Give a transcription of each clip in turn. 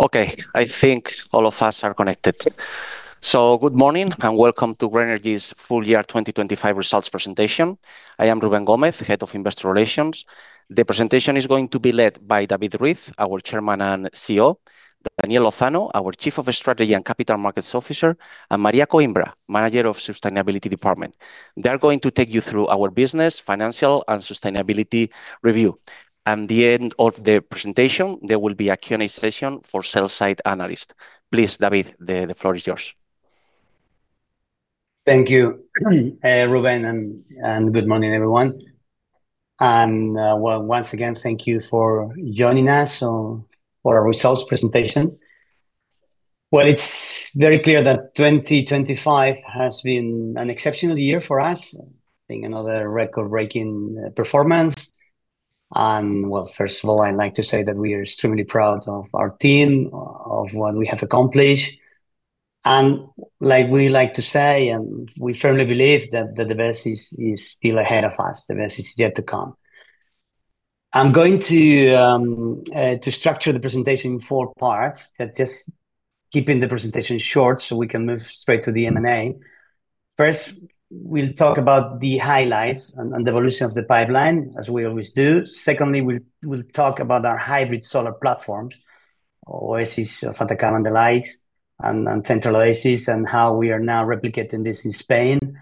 Okay, I think all of us are connected. Good morning, and welcome to Grenergy's full year 2025 results presentation. I am Rubén Gómez, Head of Investor Relations. The presentation is going to be led by David Ruiz, our Chairman and CEO, Daniel Lozano, our Chief of Strategy and Capital Markets Officer, and Maria Coimbra, Manager of Sustainability Department. They're going to take you through our business, financial, and sustainability review. At the end of the presentation, there will be a Q&A session for sell-side analyst. Please, David, the floor is yours. Thank you, Ruben, and good morning, everyone. Well, once again, thank you for joining us for our results presentation. Well, it's very clear that 2025 has been an exceptional year for us. I think another record-breaking performance. Well, first of all, I'd like to say that we are extremely proud of our team, of what we have accomplished. Like we like to say, and we firmly believe that, the best is still ahead of us. The best is yet to come. I'm going to structure the presentation in four parts. That just keeping the presentation short so we can move straight to the M&A. First, we'll talk about the highlights and the evolution of the pipeline, as we always do. Secondly, we'll talk about our hybrid solar platforms, Oasis of Atacama and the likes, and Central Oasis, and how we are now replicating this in Spain.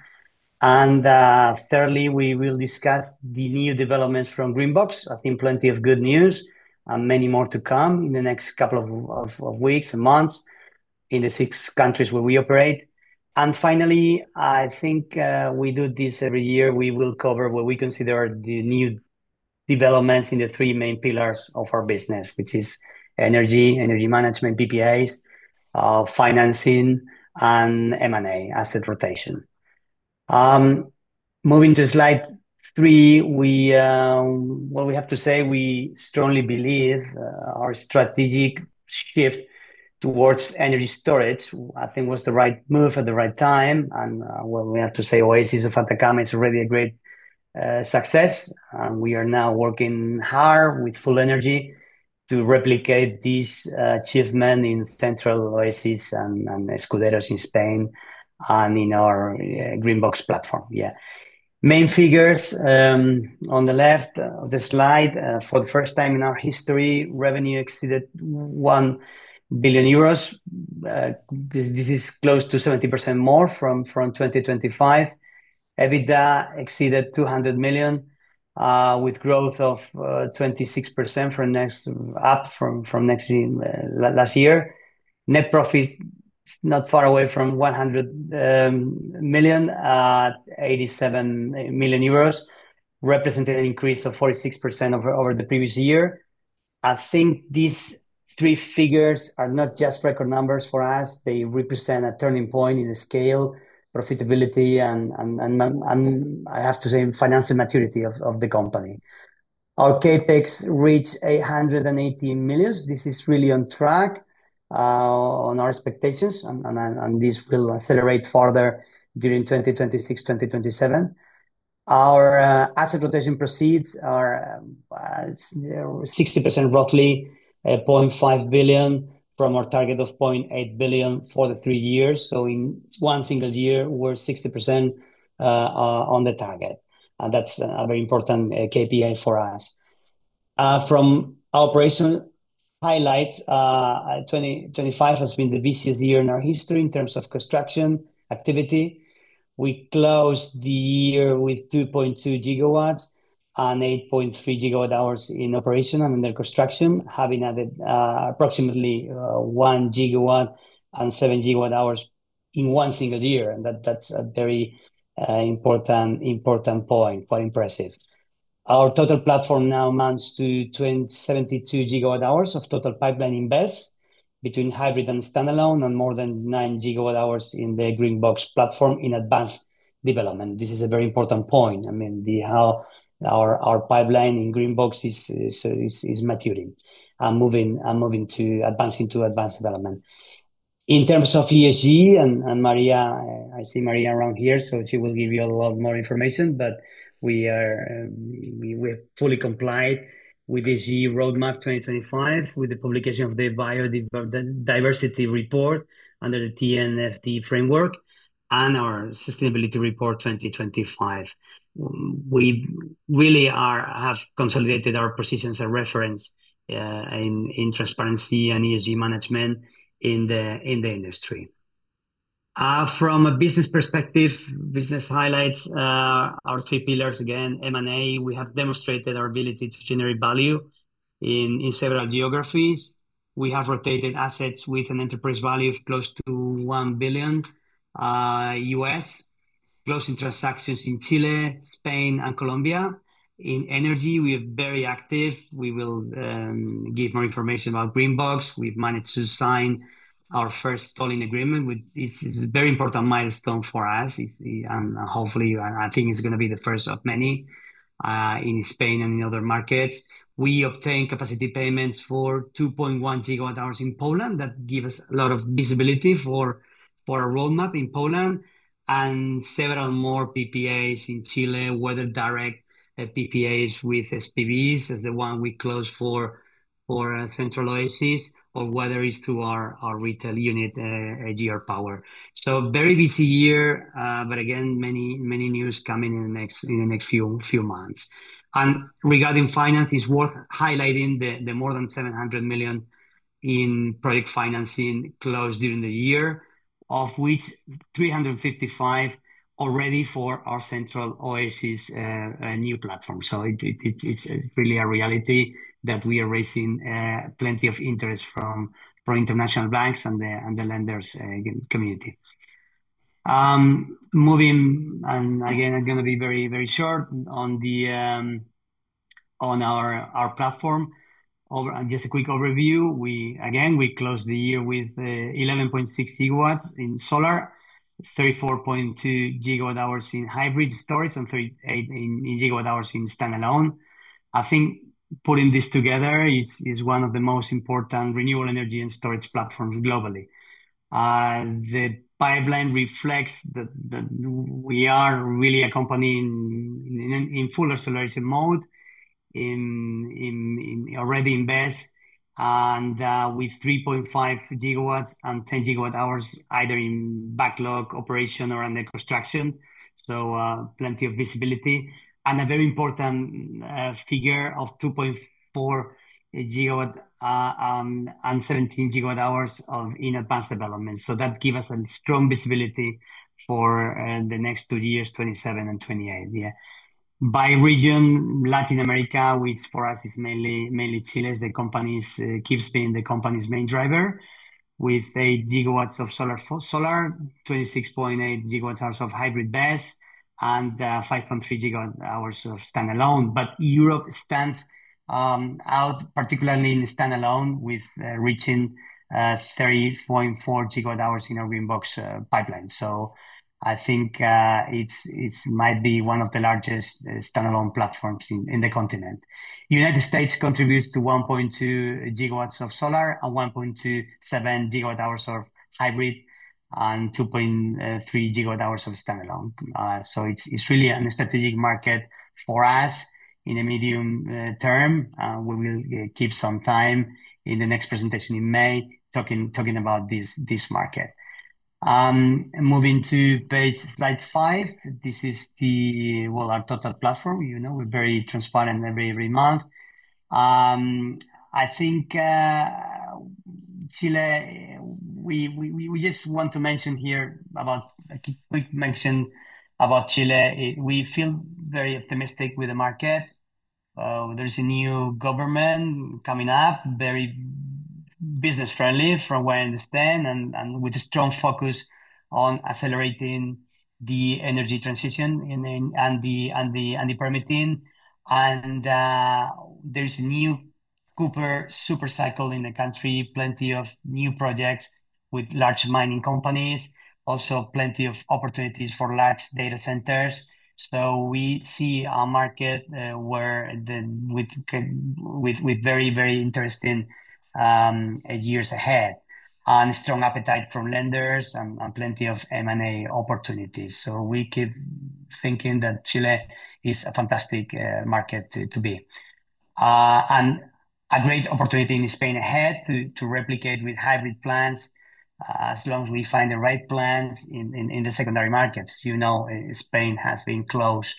Thirdly, we will discuss the new developments from Greenbox. I think plenty of good news, many more to come in the next couple of weeks and months in the six countries where we operate. Finally, I think, we do this every year, we will cover what we consider the new developments in the three main pillars of our business, which is energy management, PPAs, financing, and M&A, asset rotation. Moving to slide three, we... Well, we have to say, we strongly believe, our strategic shift towards energy storage, I think was the right move at the right time. Well, we have to say Oasis of Atacama is already a great success. We are now working hard with full energy to replicate this achievement in Central Oasis and Escuderos in Spain, and in our Greenbox platform. Yeah. Main figures on the left of the slide, for the first time in our history, revenue exceeded 1 billion euros. This is close to 70% more from 2025. EBITDA exceeded 200 million with growth of 26% up from last year. Net profit, not far away from 100 million, at 87 million euros, represented an increase of 46% over the previous year. I think these three figures are not just record numbers for us, they represent a turning point in the scale, profitability, and I have to say, financial maturity of the company. Our CapEx reached 880 million. This is really on track on our expectations, and this will accelerate further during 2026, 2027. Our asset rotation proceeds are 60%, roughly, 0.5 billion from our target of 0.8 billion for the 3 years. In 1 single year, we're 60% on the target, and that's a very important KPI for us. From our operation highlights, 2025 has been the busiest year in our history in terms of construction activity. We closed the year with 2.2 GW and 8.3 GWh in operation and under construction, having added approximately 1 GW and 7 GWh in 1 single year, and that's a very important point. Quite impressive. Our total platform now amounts to 72 GWh of total pipeline invest between hybrid and standalone, and more than 9 GWh in the Greenbox platform in advanced development. This is a very important point. I mean, how our pipeline in Greenbox is maturing and moving, advancing to advanced development. In terms of ESG, and Maria, I see Maria around here, she will give you a lot more information, but we have fully complied with the ESG Roadmap 2025, with the publication of the biodiversity report under the TNFD framework and our sustainability report 2025. We really have consolidated our positions and reference in transparency and ESG management in the industry. From a business perspective, business highlights, our three pillars, again, M&A, we have demonstrated our ability to generate value in several geographies. We have rotated assets with an enterprise value of close to $1 billion, closing transactions in Chile, Spain, and Colombia. In energy, we are very active. We will give more information about Greenbox. We've managed to sign our first tolling agreement, which this is a very important milestone for us. It's, hopefully, I think it's gonna be the first of many in Spain and in other markets. We obtained capacity payments for 2.1GWh in Poland. That give us a lot of visibility for our roadmap in Poland, and several more PPAs in Chile, whether direct PPAs with SPVs, as the one we closed for Central Oasis, or whether it's through our retail unit, GR Power. Very busy year, but again, many news coming in the next few months. Regarding finance, it's worth highlighting the more than 700 million in project financing closed during the year of which 355 already for our Central Oasis new platform. It's really a reality that we are raising plenty of interest from international banks and the lenders community. Moving, and again, I'm gonna be very, very short on our platform. Just a quick overview, again, we closed the year with 11.6 GW in solar, 34.2GWh in hybrid storage, and 38GWh in standalone. I think putting this together, is one of the most important renewable energy and storage platforms globally. The pipeline reflects that we are really a company in full acceleration mode, in already invest, and with 3.5GW and 10 GWh, either in backlog operation or under construction. Plenty of visibility. A very important figure of 2.4 GW and 17 GWh of, in advanced development. That give us a strong visibility for the next two years, 2027 and 2028. Yeah. By region, Latin America, which for us is mainly Chile, keeps being the company's main driver, with 8 GW of solar, 26.8 GWh of hybrid BESS, and 5.3 GWh of standalone. Europe stands out, particularly in standalone, with reaching 30.4 GWh in our Greenbox pipeline. I think it's might be one of the largest standalone platforms in the continent. U.S. contributes to 1.2 GW of solar and 1.27 GWh of hybrid, and 2.3 GWh of standalone. It's really a strategic market for us in the medium term. We will keep some time in the next presentation in May, talking about this market. Moving to page slide five, this is the well, our total platform. You know, we're very transparent every month. I think Chile, we just want to mention here a quick mention about Chile. We feel very optimistic with the market. There's a new government coming up, very business-friendly, from what I understand, and with a strong focus on accelerating the energy transition, and the permitting. There is a new copper super cycle in the country, plenty of new projects with large mining companies, also plenty of opportunities for large data centers. We see a market with very interesting years ahead, and strong appetite from lenders, and plenty of M&A opportunities. We keep thinking that Chile is a fantastic market to be. A great opportunity in Spain ahead to replicate with hybrid plants as long as we find the right plants in the secondary markets. You know, Spain has been closed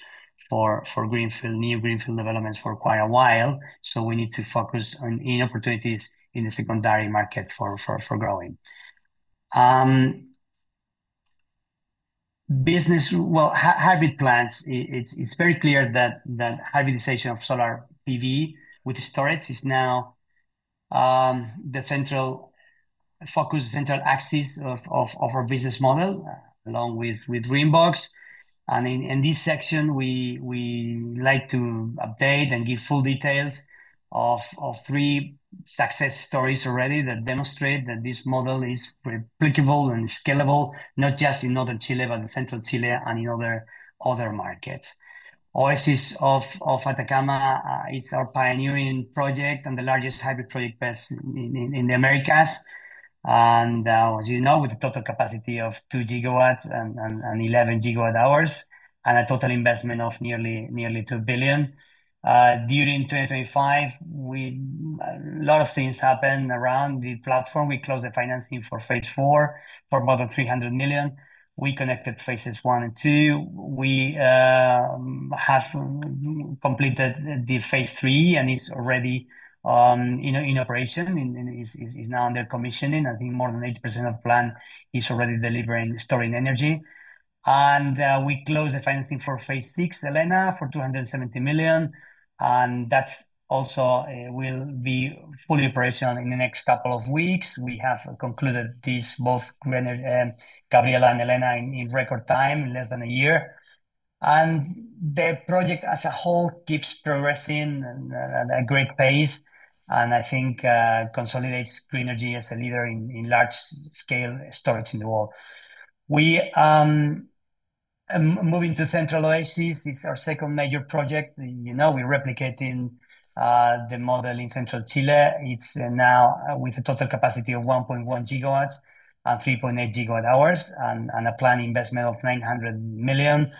for greenfield, new greenfield developments for quite a while, we need to focus on in opportunities in the secondary market for growing. Business, well, hybrid plants, it's very clear that hybridization of solar PV with storage is now the central focus, central axis of our business model, along with Greenbox. In this section, we like to update and give full details of three success stories already that demonstrate that this model is replicable and scalable, not just in northern Chile, but in central Chile and in other markets. Oasis of Atacama is our pioneering project and the largest hybrid project BESS in the Americas. As you know, with a total capacity of 2 GW and 11 GWh, and a total investment of nearly $2 billion. During 2025, a lot of things happened around the platform. We closed the financing for phase four for more than 300 million. We connected phases one and two. We have completed the phase III, and it's already in operation, and it is now under commissioning. I think more than 80% of the plant is already delivering, storing energy. We closed the financing for phase 6, Elena, for 270 million, and that's also will be fully operational in the next couple of weeks. We have concluded this, both, Gabriela and Elena in record time, in less than a year. The project as a whole keeps progressing at a great pace, and I think consolidates Grenergy as a leader in large-scale storage in the world. We moving to Central Oasis, it's our second major project. You know, we're replicating the model in central Chile. It's now with a total capacity of 1.1 GW and 3.8 GWh, and a planned investment of 900 million.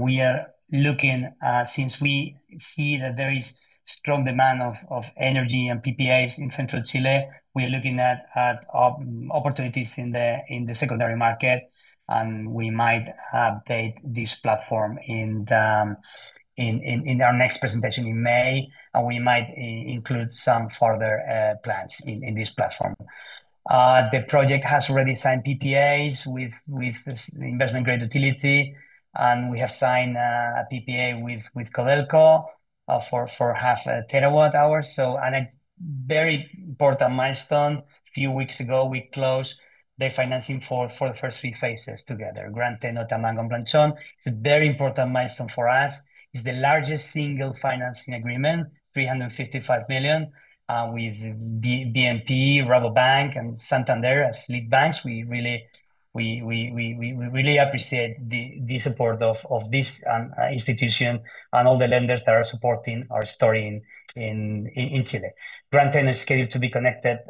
We are looking since we see that there is strong demand of energy and PPAs in central Chile, we are looking at opportunities in the secondary market, and we might update this platform in our next presentation in May, and we might include some further plans in this platform. The project has already signed PPAs with this investment-grade utility. We have signed a PPA with Codelco for half a TWh. Very important milestone. Few weeks ago, we closed the financing for the first three phases together, Gran Teno, Tamango, and Planchón. It's a very important milestone for us. It's the largest single financing agreement, 355 million, with BNP Paribas, Rabobank, and Santander as lead banks. We really appreciate the support of this institution and all the lenders that are supporting our story in Chile. Gran Teno is scheduled to be connected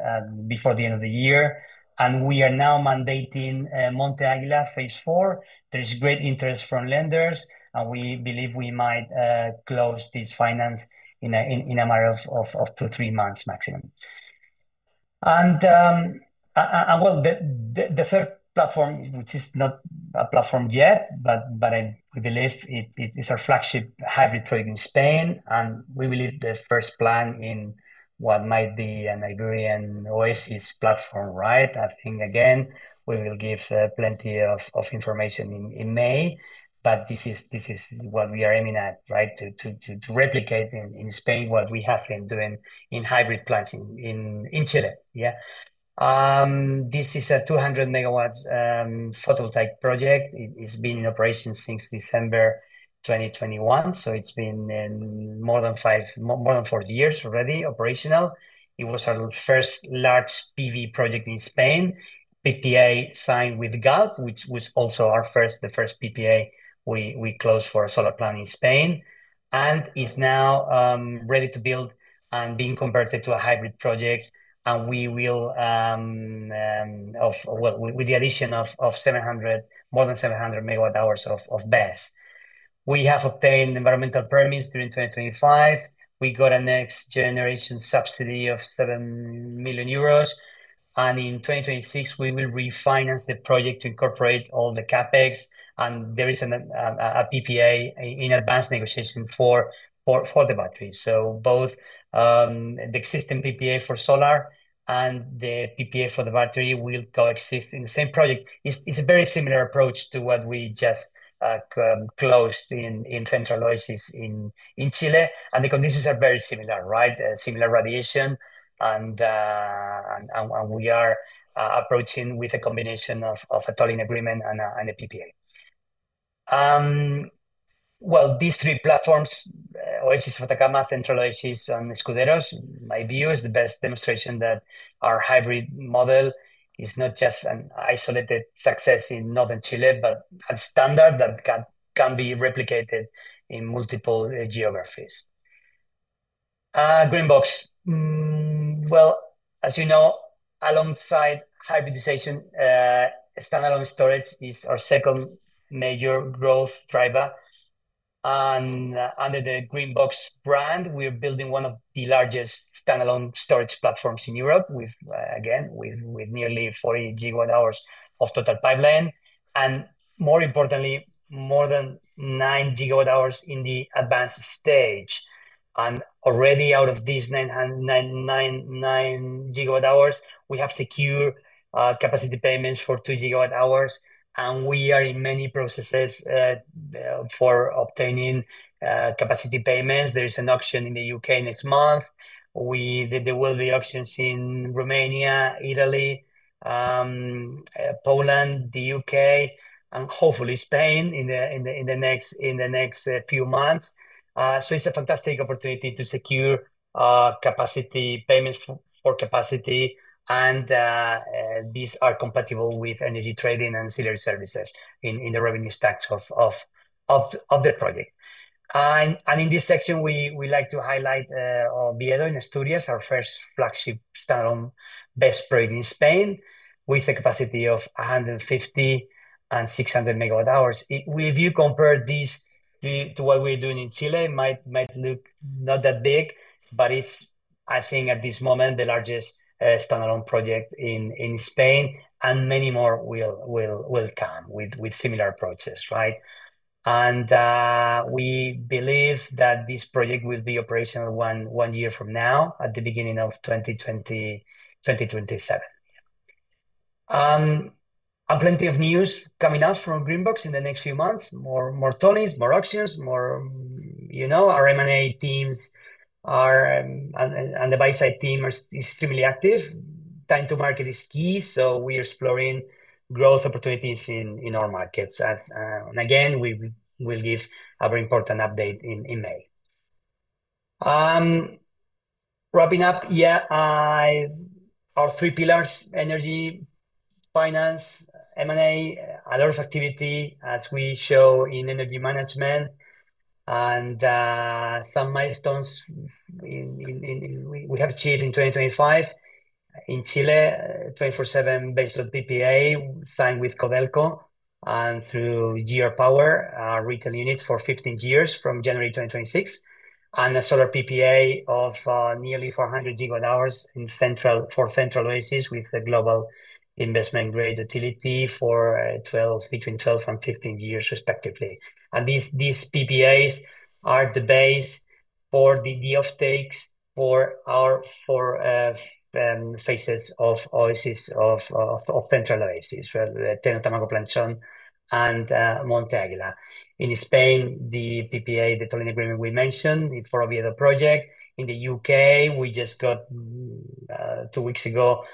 before the end of the year, and we are now mandating Monte Águila Phase Four. There is great interest from lenders, and we believe we might close this finance in a matter of 2-3-months maximum. Well, the third platform, which is not a platform yet, but we believe it is our flagship hybrid project in Spain, and we believe the first plant in what might be an Iberian Oasis platform, right? I think again, we will give plenty of information in May, but this is what we are aiming at, right? To replicate in Spain what we have been doing in hybrid plants in Chile. Yeah. This is a 200 MW photovoltaic project. It's been in operation since December 2021, so it's been more than four years already operational. It was our first large PV project in Spain. PPA signed with Galp, which was also our first, the first PPA we closed for a solar plant in Spain, and is now ready to build and being converted to a hybrid project, and we will, well, with the addition of more than 700MWhs of BESS. We have obtained environmental permits during 2025. We got a NextGeneration subsidy of 7 million euros. In 2026, we will refinance the project to incorporate all the CapEx, and there is a PPA in advanced negotiation for the battery. Both the existing PPA for solar and the PPA for the battery will coexist in the same project. It's a very similar approach to what we just closed in Central Oasis in Chile. The conditions are very similar, right? Similar radiation, and we are approaching with a combination of a tolling agreement and a PPA. Well, these three platforms, Oasis Atacama, Central Oasis, and Escuderos, my view is the best demonstration that our hybrid model is not just an isolated success in northern Chile, but a standard that can be replicated in multiple geographies. Greenbox. Well, as you know, alongside hybridization, standalone storage is our second major growth driver. Under the Greenbox brand, we're building one of the largest standalone storage platforms in Europe, with again, with nearly 40GWh of total pipeline, more importantly, more than 9GWh in the advanced stage. Already out of these 9GWh, we have secure capacity payments for 2GWh, and we are in many processes for obtaining capacity payments. There is an auction in the U.K. next month. There will be auctions in Romania, Italy, Poland, the U.K., and hopefully Spain, in the next few months. It's a fantastic opportunity to secure capacity payments for capacity, and these are compatible with energy trading and ancillary services in the revenue stacks of the project. In this section we like to highlight Oviedo in Asturias, our first flagship standalone BESS project in Spain, with a capacity of 150 MWh and 600 MWh. If you compare this to what we're doing in Chile, it might look not that big, but it's, I think at this moment, the largest standalone project in Spain, and many more will come with similar approaches, right? We believe that this project will be operational one year from now, at the beginning of 2027. Plenty of news coming out from Greenbox in the next few months. More tollings, more auctions, more, you know, our M&A teams are and the buy-side team are extremely active. Time to market is key. We are exploring growth opportunities in our markets. As. Again, we will give a very important update in May. Wrapping up, yeah, our three pillars: energy, finance, M&A. A lot of activity as we show in energy management, and some milestones we have achieved in 2025. In Chile, 24/7 baseload PPA signed with Codelco, and through GR Power, our retail unit, for 15 years from January 2026, and a solar PPA of nearly 400 GWh for Central Oasis, with the global investment-grade utility for 12 years, between 12 years and 15 years, respectively. These PPAs are the base for the offtakes for our, for phases of Oasis, of Central Oasis, Gran Teno, Tamango, Planchón, and Monte Aguila. In Spain, the PPA, the tolling agreement we mentioned for Oviedo project. In the U.K., two weeks ago,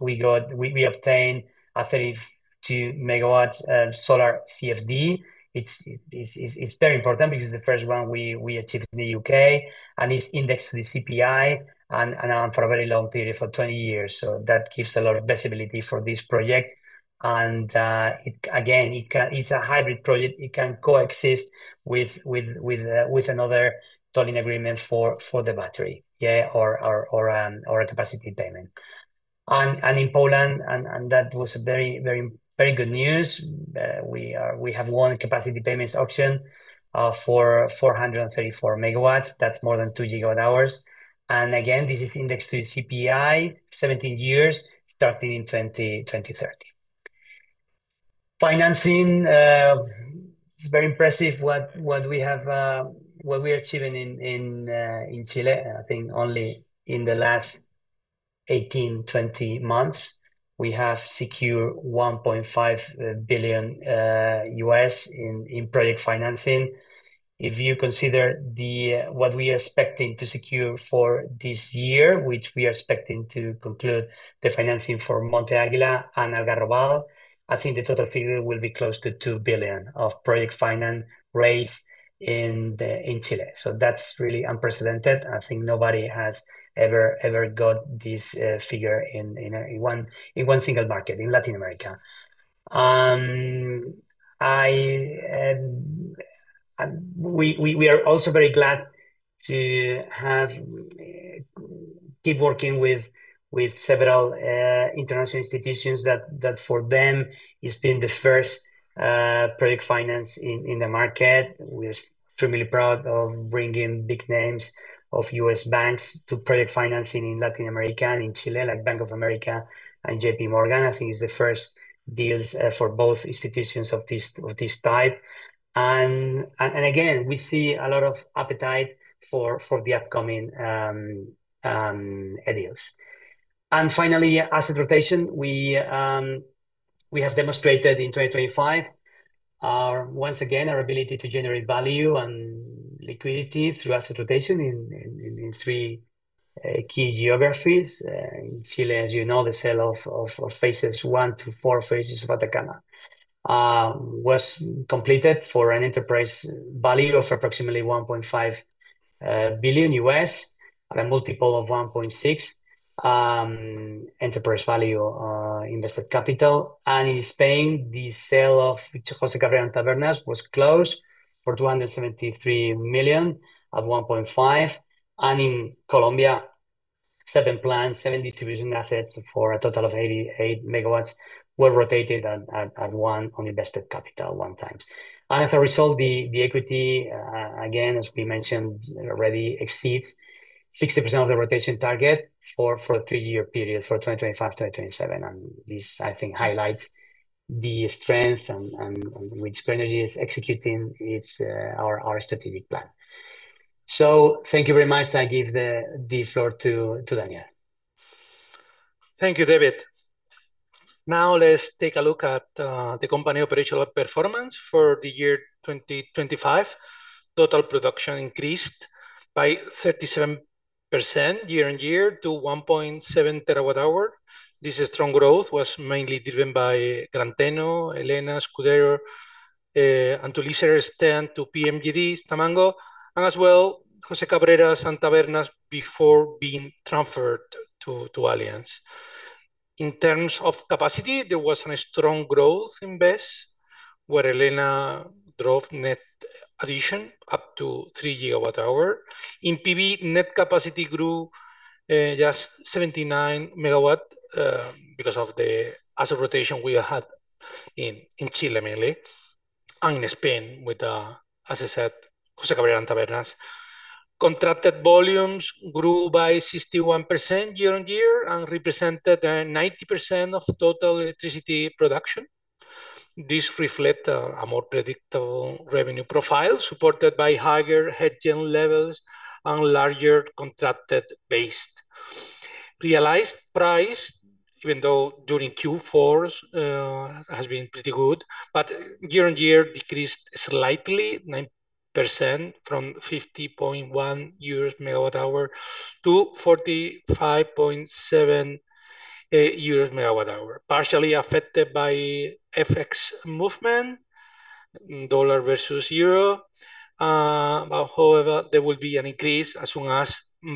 we obtained a 32MW solar CFD. It's very important because the first one we achieved in the U.K., it's indexed to the CPI, and for a very long period, for 20 years. That gives a lot of visibility for this project, again, it's a hybrid project. It can coexist with another tolling agreement for the battery. Or a capacity payment. In Poland, and that was a very good news. We have won capacity payments auction for 434MW. That's more than 2GWh. Again, this is indexed to the CPI, 17 years, starting in 2030. Financing is very impressive. What we have, what we are achieving in Chile, I think only in the last 18-20 months, we have secured $1.5 billion in project financing. If you consider what we are expecting to secure for this year, which we are expecting to conclude the financing for Monte Águila and Algarrobal, I think the total figure will be close to $2 billion of project finance raised in Chile. That's really unprecedented. I think nobody has ever got this figure in a single market in Latin America. We are also very glad to have keep working with several international institutions that for them, it's been the first project finance in the market. We're extremely proud of bringing big names of U.S. banks to project financing in Latin America and in Chile, like Bank of America and J.P. Morgan. I think it's the first deals for both institutions of this type. Again, we see a lot of appetite for the upcoming ideas. Finally, asset rotation. We have demonstrated in 2025, once again, our ability to generate value and liquidity through asset rotation in three key geographies. In Chile, as you know, the sale of phases 1 to 4 of Atacama was completed for an enterprise value of approximately $1.5 billion at a multiple of 1.6 enterprise value invested capital. In Spain, the sale of José Cabrera and Tabernas was closed for $273 million at 1.5. In Colombia, 7 plants, 7 distribution assets for a total of 88MW were rotated at 1 on invested capital 1 times. As a result, the equity, again, as we mentioned already, exceeds 60% of the rotation target for a 3-year period, for 2025 to 2027. This, I think, highlights the strengths and on which Grenergy is executing its strategic plan. Thank you very much. I give the floor to Daniel. Thank you, David. Let's take a look at the company operational performance for the year 2025. Total production increased by 37% year-over-year to 1.7 TWh. This strong growth was mainly driven by Gran Teno, Elena, Escuderos, and to lease 10 PMGD, Tamango, and as well, José Cabrera and Tabernas, before being transferred to Allianz. In terms of capacity, there was a strong growth in BESS, where Elena drove net addition up to 3 GWh. In PV, net capacity grew just 79 MW because of the asset rotation we had in Chile, mainly, and in Spain, with, as I said, José Cabrera and Tabernas. Contracted volumes grew by 61% year-over-year and represented 90% of total electricity production. This reflect a more predictable revenue profile, supported by higher hedging levels and larger contracted based. Realized price, even though during Q4, has been pretty good, but year-on-year decreased slightly, 9%, from 50.1 euros MWh to 45.7 euros MWh, partially affected by FX movement, dollar versus euro. However, there will be an increase as soon as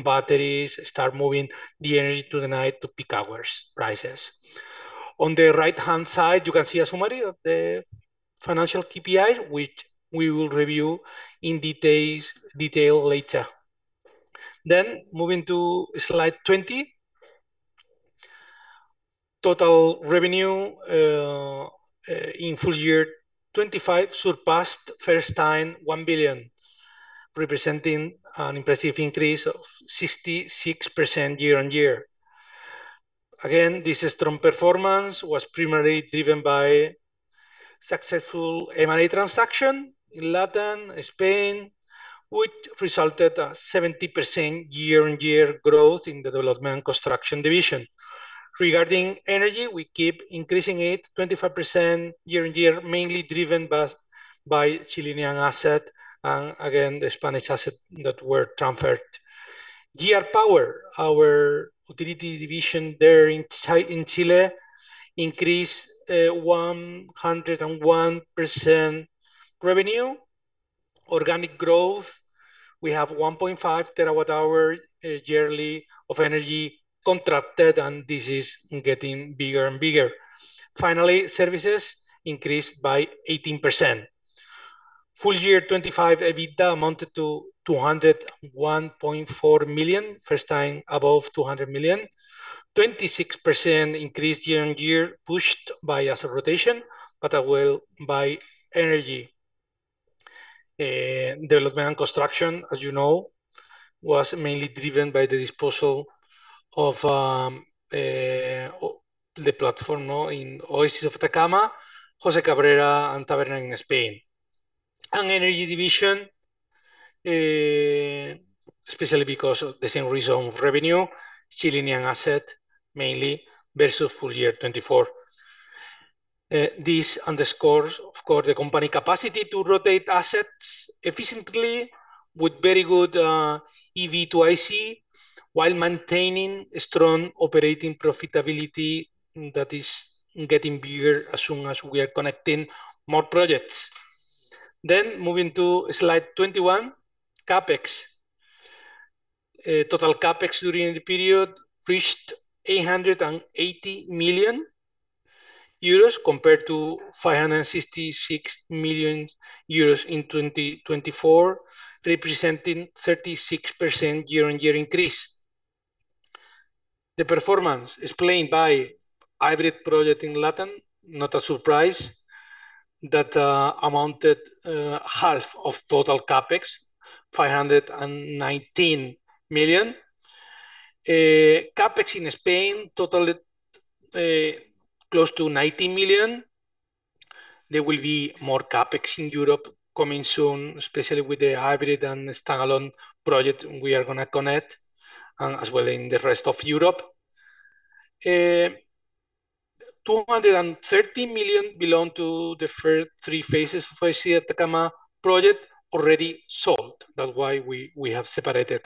batteries start moving the energy to the night to peak hours prices. On the right-hand side, you can see a summary of the financial KPIs, which we will review in detail later. Moving to Slide 20. Total revenue in full year 2025 surpassed first time 1 billion, representing an impressive increase of 66% year-on-year. This strong performance was primarily driven by successful M&A transaction in Latin, Spain, which resulted a 70% year-on-year growth in the development and construction division. We keep increasing energy, 25% year-on-year, mainly driven by Chilean asset, and again, the Spanish asset that were transferred. GR Power, our utility division there in Chile, increased 101% revenue. Organic growth, we have 1.5 TWh yearly of energy contracted, and this is getting bigger and bigger. Services increased by 18%. Full year 2025, EBITDA amounted to 201.4 million, first time above 200 million. 26% increase year-on-year, pushed by asset rotation, as well by energy. Development and construction, as you know, was mainly driven by the disposal of the platform in Oasis of Atacama, José Cabrera, and Tabernas in Spain. Energy division, especially because of the same reason of revenue, Chilean asset, mainly versus full year 2024. This underscores, of course, the company capacity to rotate assets efficiently with very good EV/IC, while maintaining a strong operating profitability that is getting bigger as soon as we are connecting more projects. Moving to Slide 21, CapEx. Total CapEx during the period reached 880 million euros, compared to 566 million euros in 2024, representing 36% year-on-year increase. The performance is explained by hybrid project in Latin, not a surprise, that amounted half of total CapEx, 519 million. CapEx in Spain totaled close to 90 million. There will be more CapEx in Europe coming soon, especially with the hybrid and the standalone project we are going to connect, and as well in the rest of Europe. 230 million belong to the first three phases of Oasis Atacama project, already sold. That's why we have separated.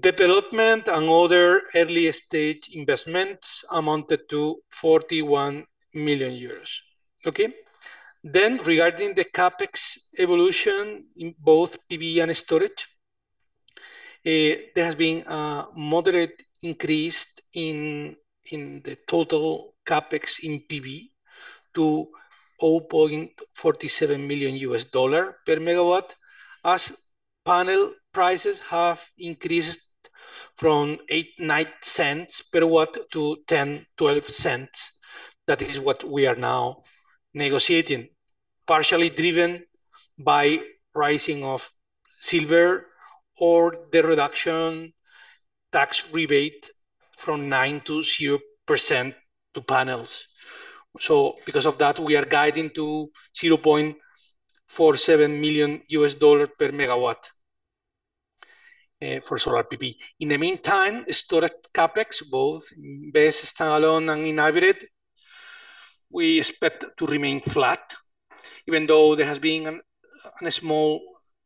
Development and other early-stage investments amounted to 41 million euros. Regarding the CapEx evolution in both PV and storage, there has been a moderate increase in the total CapEx in PV to $0.47 million per megawatt, as panel prices have increased from $0.08, $0.09 per W to $0.10, $0.12. That is what we are now negotiating, partially driven by pricing of silver or the reduction tax rebate from 9%-0% to panels. Because of that, we are guiding to $0.47 million per megawatt for solar PV. In the meantime, storage CapEx, both BESS, standalone, and in hybrid, we expect to remain flat. Even though there has been a small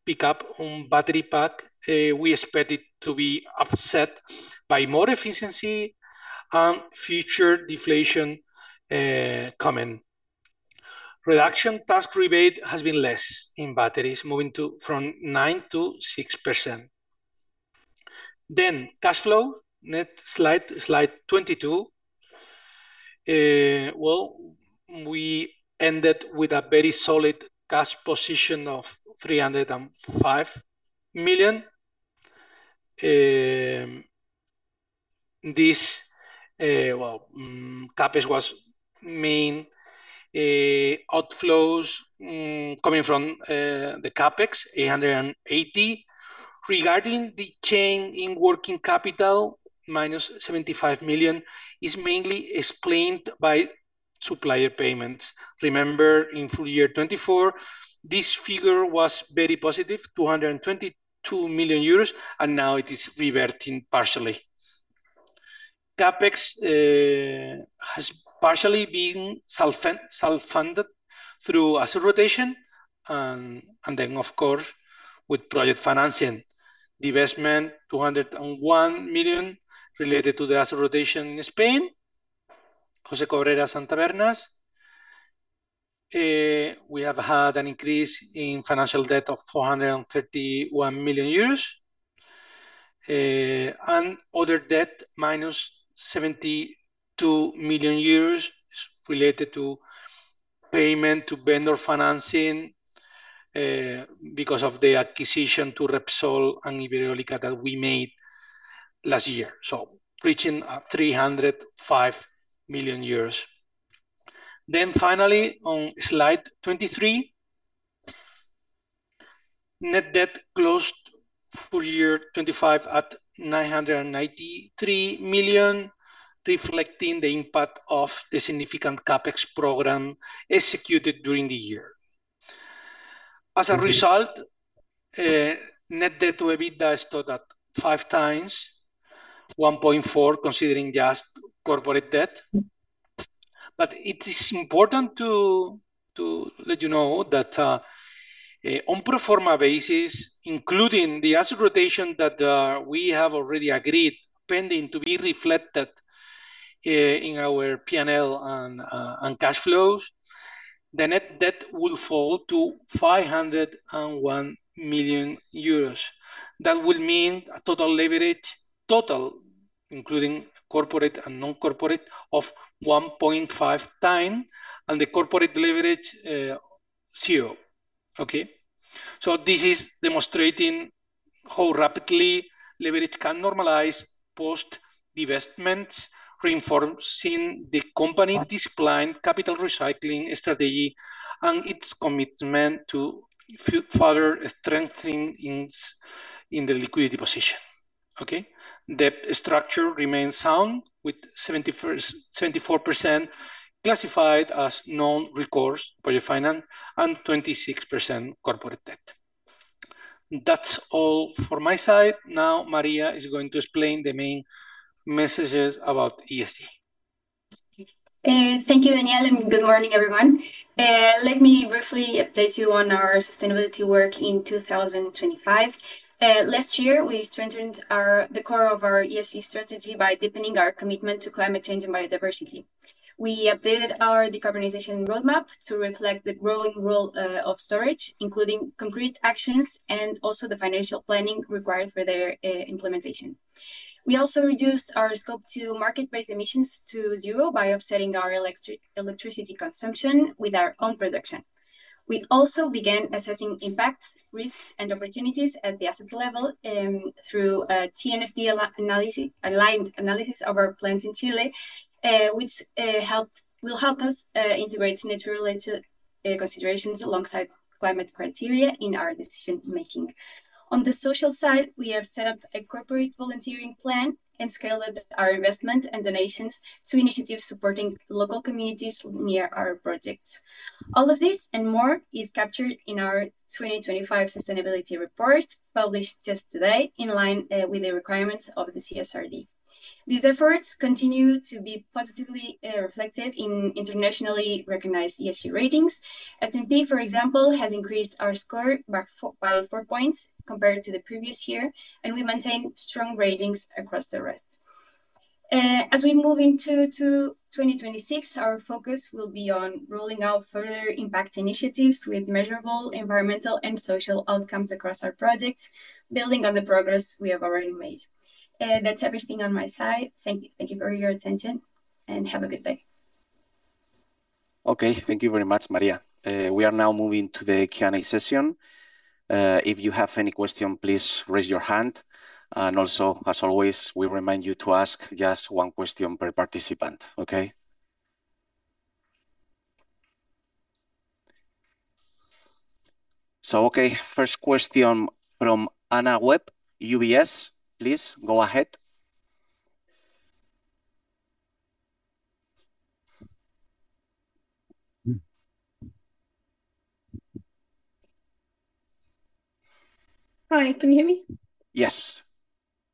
pickup on battery pack, we expect it to be offset by more efficiency and future deflation coming. Reduction tax rebate has been less in batteries, from 9%-6%. Cash flow. Next Slide 22. Well, we ended with a very solid cash position of $305 million. This, well, CapEx was main outflows coming from the CapEx, $880 million. Regarding the change in working capital, -$75 million, is mainly explained by supplier payments. Remember, in full year 2024, this figure was very positive, 222 million euros, and now it is reverting partially. CapEx has partially been self-funded through asset rotation, of course, with project financing. Divestment, 201 million related to the asset rotation in Spain, José Cabrera, and Tabernas. We have had an increase in financial debt of 431 million euros, and other debt, minus 72 million euros, related to payment to vendor financing, because of the acquisition to Repsol and Iberdrola that we made last year. Reaching 305 million. Finally, on Slide 23, net debt closed full year 2025 at 993 million, reflecting the impact of the significant CapEx program executed during the year. As a result, net debt to EBITDA is still at 5x, 1.4 considering just corporate debt. It is important to let you know that on pro forma basis, including the asset rotation that we have already agreed, pending to be reflected in our P&L and cash flows, the net debt will fall to 501 million euros. That will mean a total leverage, total, including corporate and non-corporate, of 1.5x, and the corporate leverage 0. Okay? This is demonstrating how rapidly leverage can normalize post-divestments, reinforcing the company discipline, capital recycling strategy, and its commitment to further strengthening its liquidity position. Okay? The structure remains sound, with 74% classified as non-recourse project finance, and 26% corporate debt. That's all for my side. Maria is going to explain the main messages about ESG. Thank you, Daniel, and good morning, everyone. Let me briefly update you on our sustainability work in 2025. Last year, we strengthened the core of our ESG strategy by deepening our commitment to climate change and biodiversity. We updated our decarbonization roadmap to reflect the growing role of storage, including concrete actions and also the financial planning required for their implementation. We also reduced our Scope 2 market-based emissions to zero by offsetting our electricity consumption with our own production. We also began assessing impacts, risks, and opportunities at the asset level through a TNFD analysis, aligned analysis of our plans in Chile, which will help us integrate nature-related considerations alongside climate criteria in our decision-making. On the social side, we have set up a corporate volunteering plan and scaled our investment and donations to initiatives supporting local communities near our projects. All of this, more, is captured in our 2025 sustainability report, published just today, in line with the requirements of the CSRD. These efforts continue to be positively reflected in internationally recognized ESG ratings. S&P, for example, has increased our score by 4 points compared to the previous year, we maintain strong ratings across the rest. As we move into 2026, our focus will be on rolling out further impact initiatives with measurable environmental and social outcomes across our projects, building on the progress we have already made. That's everything on my side. Thank you for your attention, have a good day. Okay. Thank you very much, Maria. We are now moving to the Q&A session. If you have any question, please raise your hand, and also, as always, we remind you to ask just one question per participant. Okay? Okay, first question from Anna Webb, UBS. Please, go ahead. Hi, can you hear me? Yes.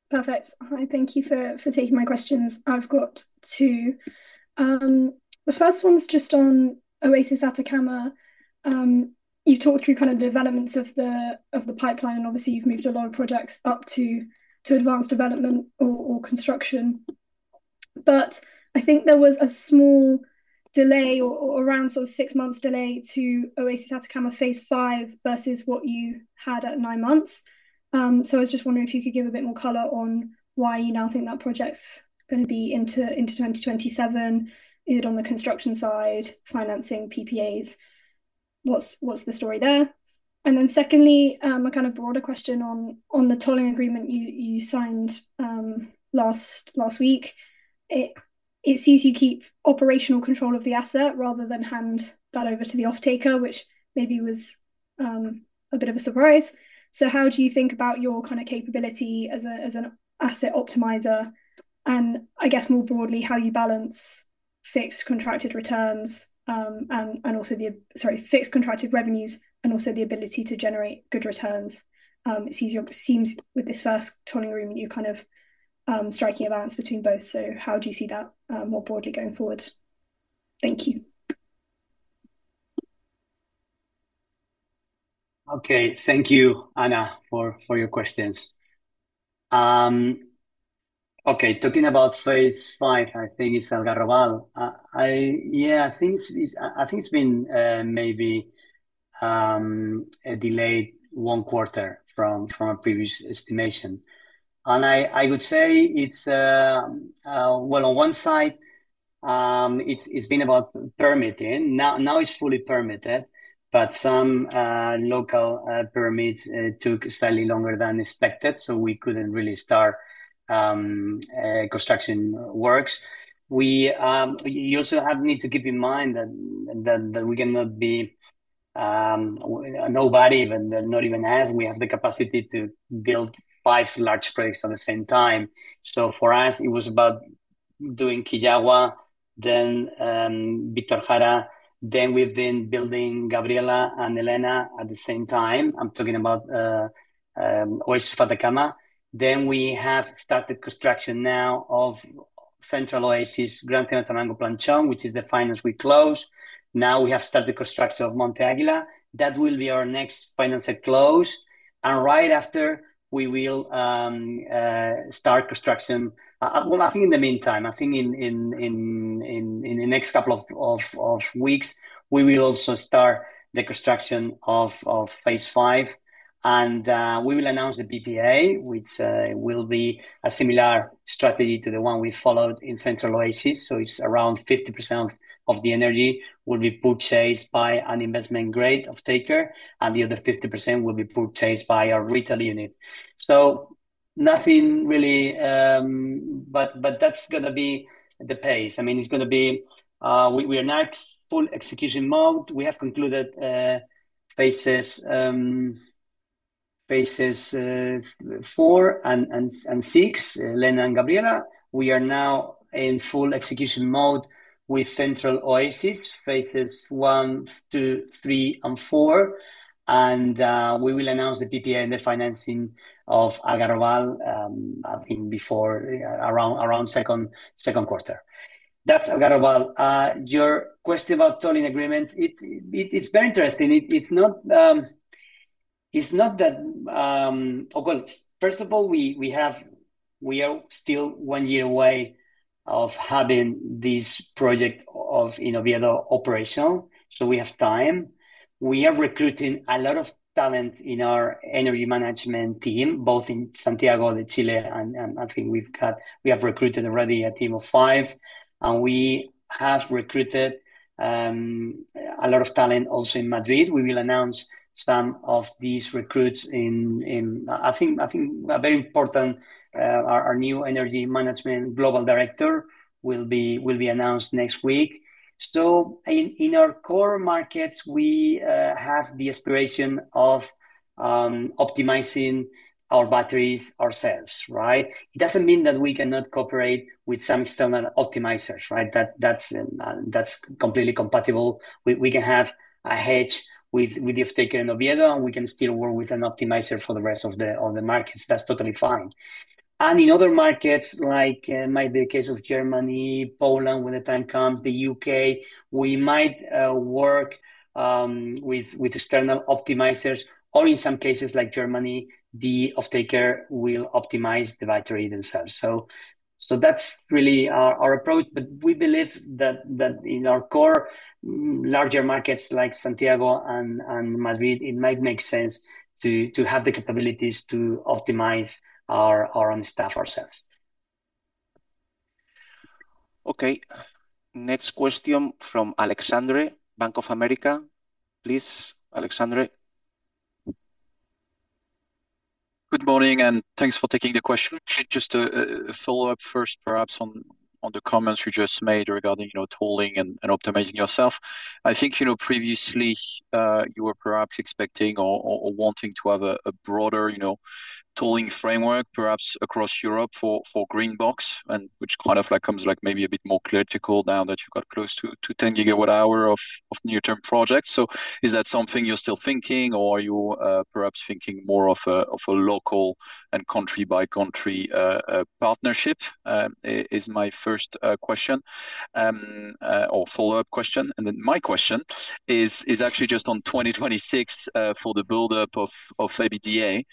Perfect. Hi, thank you for taking my questions. I've got two. The first one is just on Oasis Atacama. You talked through kind of the developments of the pipeline, and obviously, you've moved a lot of projects up to advanced development or construction. But I think there was a small delay or around sort of six months delay to Oasis Atacama phase five, versus what you had at nine months. So I was just wondering if you could give a bit more color on why you now think that project's gonna be into 2027. Is it on the construction side, financing, PPAs? What's the story there? And then secondly, a kind of broader question on the tolling agreement you signed last week. It sees you keep operational control of the asset rather than hand that over to the offtaker, which maybe was a bit of a surprise. How do you think about your kind of capability as an asset optimizer, and I guess more broadly, how you balance fixed contracted returns, and also the... sorry, fixed contracted revenues, and also the ability to generate good returns? It seems with this first tolling agreement, you're kind of striking a balance between both. How do you see that more broadly going forward? Thank you. Anna, for your questions. Talking about phase five, I think it's Algarrobal. Yeah, I think it's, I think it's been delayed one quarter from our previous estimation. I would say it's, well, on one side, it's been about permitting. Now it's fully permitted, but some local permits took slightly longer than expected, so we couldn't really start construction works. You also need to keep in mind that we cannot be, nobody, not even us, we have the capacity to build five large projects at the same time. For us, it was about-... doing Quillagua, then Victor Farah, then we've been building Gabriela and Elena at the same time. I'm talking about Oasis de Atacama. We have started construction now of Central Oasis, Gran Teno, Planchón, which is the finance we closed. We have started construction of Monte Águila. That will be our next financing close, and right after, we will start construction. Well, I think in the meantime, I think in the next couple of weeks, we will also start the construction of phase five, and we will announce the PPA, which will be a similar strategy to the one we followed in Central Oasis. It's around 50% of the energy will be purchased by an investment grade offtaker, and the other 50% will be purchased by our retail unit. Nothing really. That's gonna be the pace. I mean, it's gonna be, we are now at full execution mode. We have concluded phases four and six, Elena and Gabriela. We are now in full execution mode with Central Oasis, phases I, II, III, and IV, and we will announce the PPA and the financing of Agarowal, I think before, around second quarter. That's Agarowal. Your question about tolling agreements, it's very interesting. It's not, it's not that. First of all, we are still 1 year away of having this project of, you know, Oviedo operational, so we have time. We are recruiting a lot of talent in our energy management team, both in Santiago de Chile, and I think we've got. We have recruited already a team of five, and we have recruited a lot of talent also in Madrid. We will announce some of these recruits in, I think, very important, our new energy management global director will be announced next week. In our core markets, we have the aspiration of optimizing our batteries ourselves, right? It doesn't mean that we cannot cooperate with some external optimizers, right? That's completely compatible. We can have a hedge with the offtaker in Oviedo, and we can still work with an optimizer for the rest of the markets. That's totally fine. In other markets, like in maybe the case of Germany, Poland, when the time comes, the U.K., we might work with external optimizers, or in some cases like Germany, the offtaker will optimize the battery themselves. That's really our approach. We believe that in our core, larger markets like Santiago and Madrid, it might make sense to have the capabilities to optimize our own staff ourselves. Okay, next question from Alexandre, Bank of America. Please, Alexandre. Good morning, and thanks for taking the question. Just a follow-up first, perhaps on the comments you just made regarding, you know, tolling and optimizing yourself. I think, you know, previously, you were perhaps expecting or wanting to have a broader, you know, tolling framework, perhaps across Europe for Greenbox, and which kind of like comes like maybe a bit more clear to call now that you've got close to 10 GW hour of near-term projects. Is that something you're still thinking, or are you perhaps thinking more of a local and country-by-country partnership? is my first question. Or follow-up question, my question is actually just on 2026 for the build-up of EBITDA.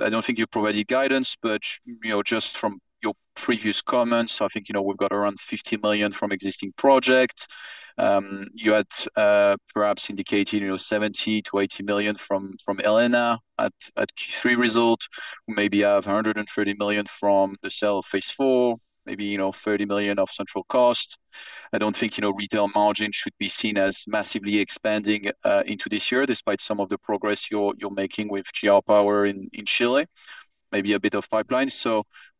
I don't think you've provided guidance, but, you know, just from your previous comments, I think, you know, we've got around 50 million from existing projects. You had perhaps indicated, you know, 70 million-80 million from Elena at Q3 result, maybe 130 million from the sale of phase four, maybe, you know, 30 million of central cost. I don't think, you know, retail margin should be seen as massively expanding into this year, despite some of the progress you're making with GR Power in Chile, maybe a bit of pipeline.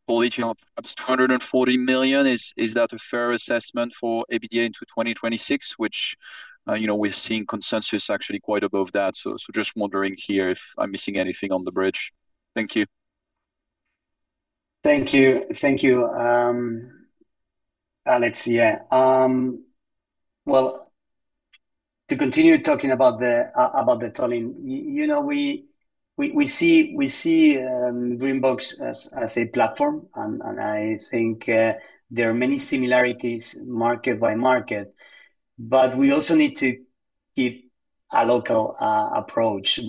Fully, you know, perhaps 240 million, is that a fair assessment for EBITDA into 2026, which, you know, we're seeing consensus actually quite above that? Just wondering here if I'm missing anything on the bridge. Thank you. Thank you. Thank you, Alex. Well, to continue talking about the tolling, you know, we see Greenbox as a platform, and I think there are many similarities market by market. We also need to keep a local approach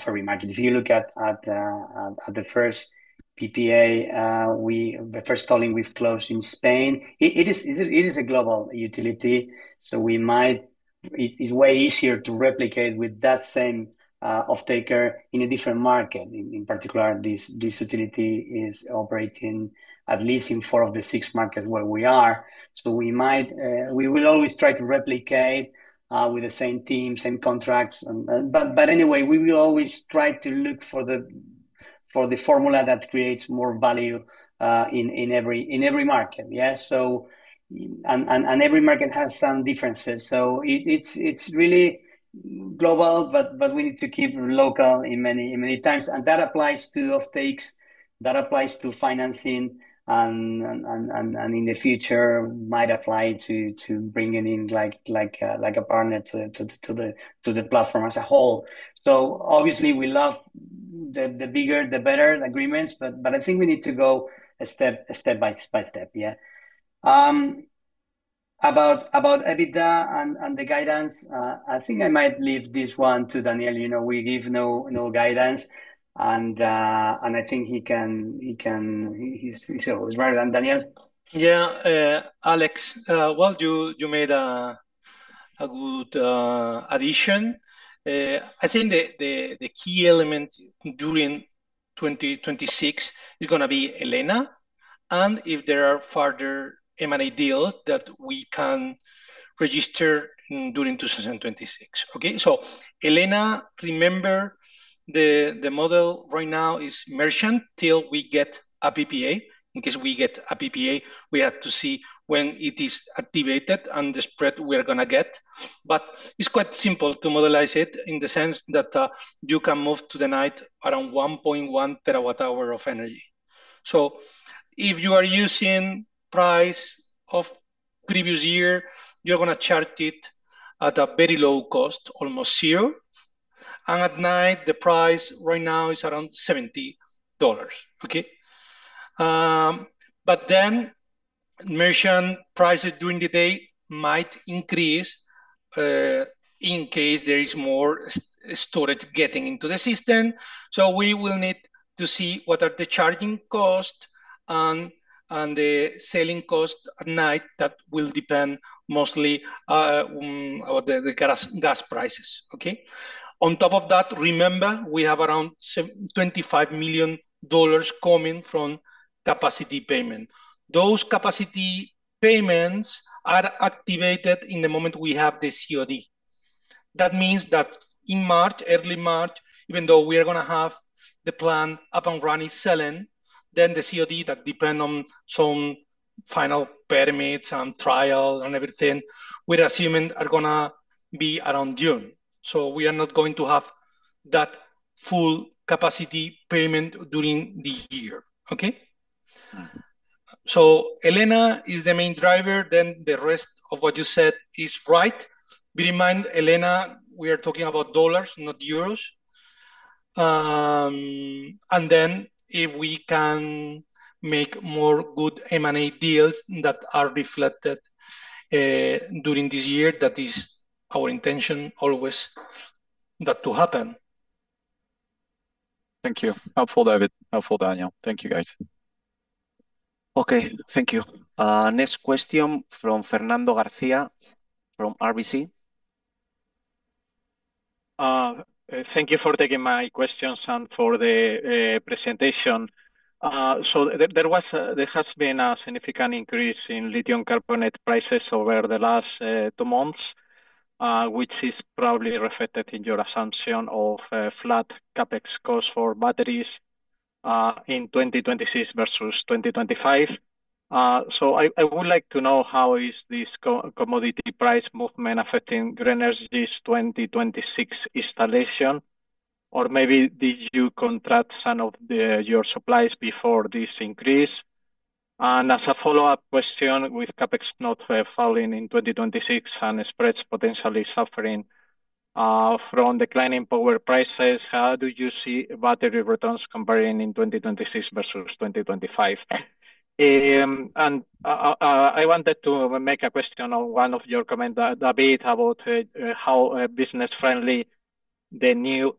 for every market. If you look at the first PPA, the first tolling we've closed in Spain, it is a global utility, so it is way easier to replicate with that same offtaker in a different market. In particular, this utility is operating at least in four of the six markets where we are. We might, we will always try to replicate with the same team, same contracts. Anyway, we will always try to look for the formula that creates more value in every market. Every market has some differences. It's really global, but we need to keep local many times, and that applies to offtakes, that applies to financing, and in the future, might apply to bringing in like a partner to the platform as a whole. Obviously, we love the bigger, the better the agreements, but I think we need to go a step by step. About EBITDA and the guidance, I think I might leave this one to Daniel. You know, we give no guidance, and I think he's smarter than Daniel. Yeah, Alex, well, you made a good addition. I think the key element during 2026 is gonna be Elena, and if there are further M&A deals that we can register during 2026. Okay, Elena, remember the model right now is merchant till we get a PPA. In case we get a PPA, we have to see when it is activated and the spread we are gonna get. It's quite simple to modelize it, in the sense that you can move to the night around 1.1 TWh of energy. If you are using price of previous year, you're gonna chart it at a very low cost, almost zero, and at night, the price right now is around $70, okay? Merchant prices during the day might increase in case there is more storage getting into the system. We will need to see what are the charging cost and the selling cost at night. That will depend mostly on the gas prices, okay? On top of that, remember, we have around $25 million coming from capacity payment. Those capacity payments are activated in the moment we have the COD. That means that in March, early March, even though we are gonna have the plan up and running selling, the COD that depend on some final permits and trial and everything, we're assuming are gonna be around June. We are not going to have that full capacity payment during the year, okay? Mm-hmm. Elena is the main driver, then the rest of what you said is right. Bear in mind, Elena, we are talking about Dollars, not Euros. If we can make more good M&A deals that are reflected during this year, that is our intention always that to happen. Thank you. Helpful, David. Helpful, Daniel. Thank you, guys. Okay, thank you. Next question from Fernando Lafuente, from RBC. Thank you for taking my questions and for the presentation. There has been a significant increase in lithium carbonate prices over the last 2 months, which is probably reflected in your assumption of flat CapEx cost for batteries in 2026 versus 2025. I would like to know, how is this commodity price movement affecting Grenergy's 2026 installation? Maybe did you contract some of your supplies before this increase? As a follow-up question, with CapEx not falling in 2026 and spreads potentially suffering from declining power prices, how do you see battery returns comparing in 2026 versus 2025? I wanted to make a question on one of your comment, a bit about how business friendly the new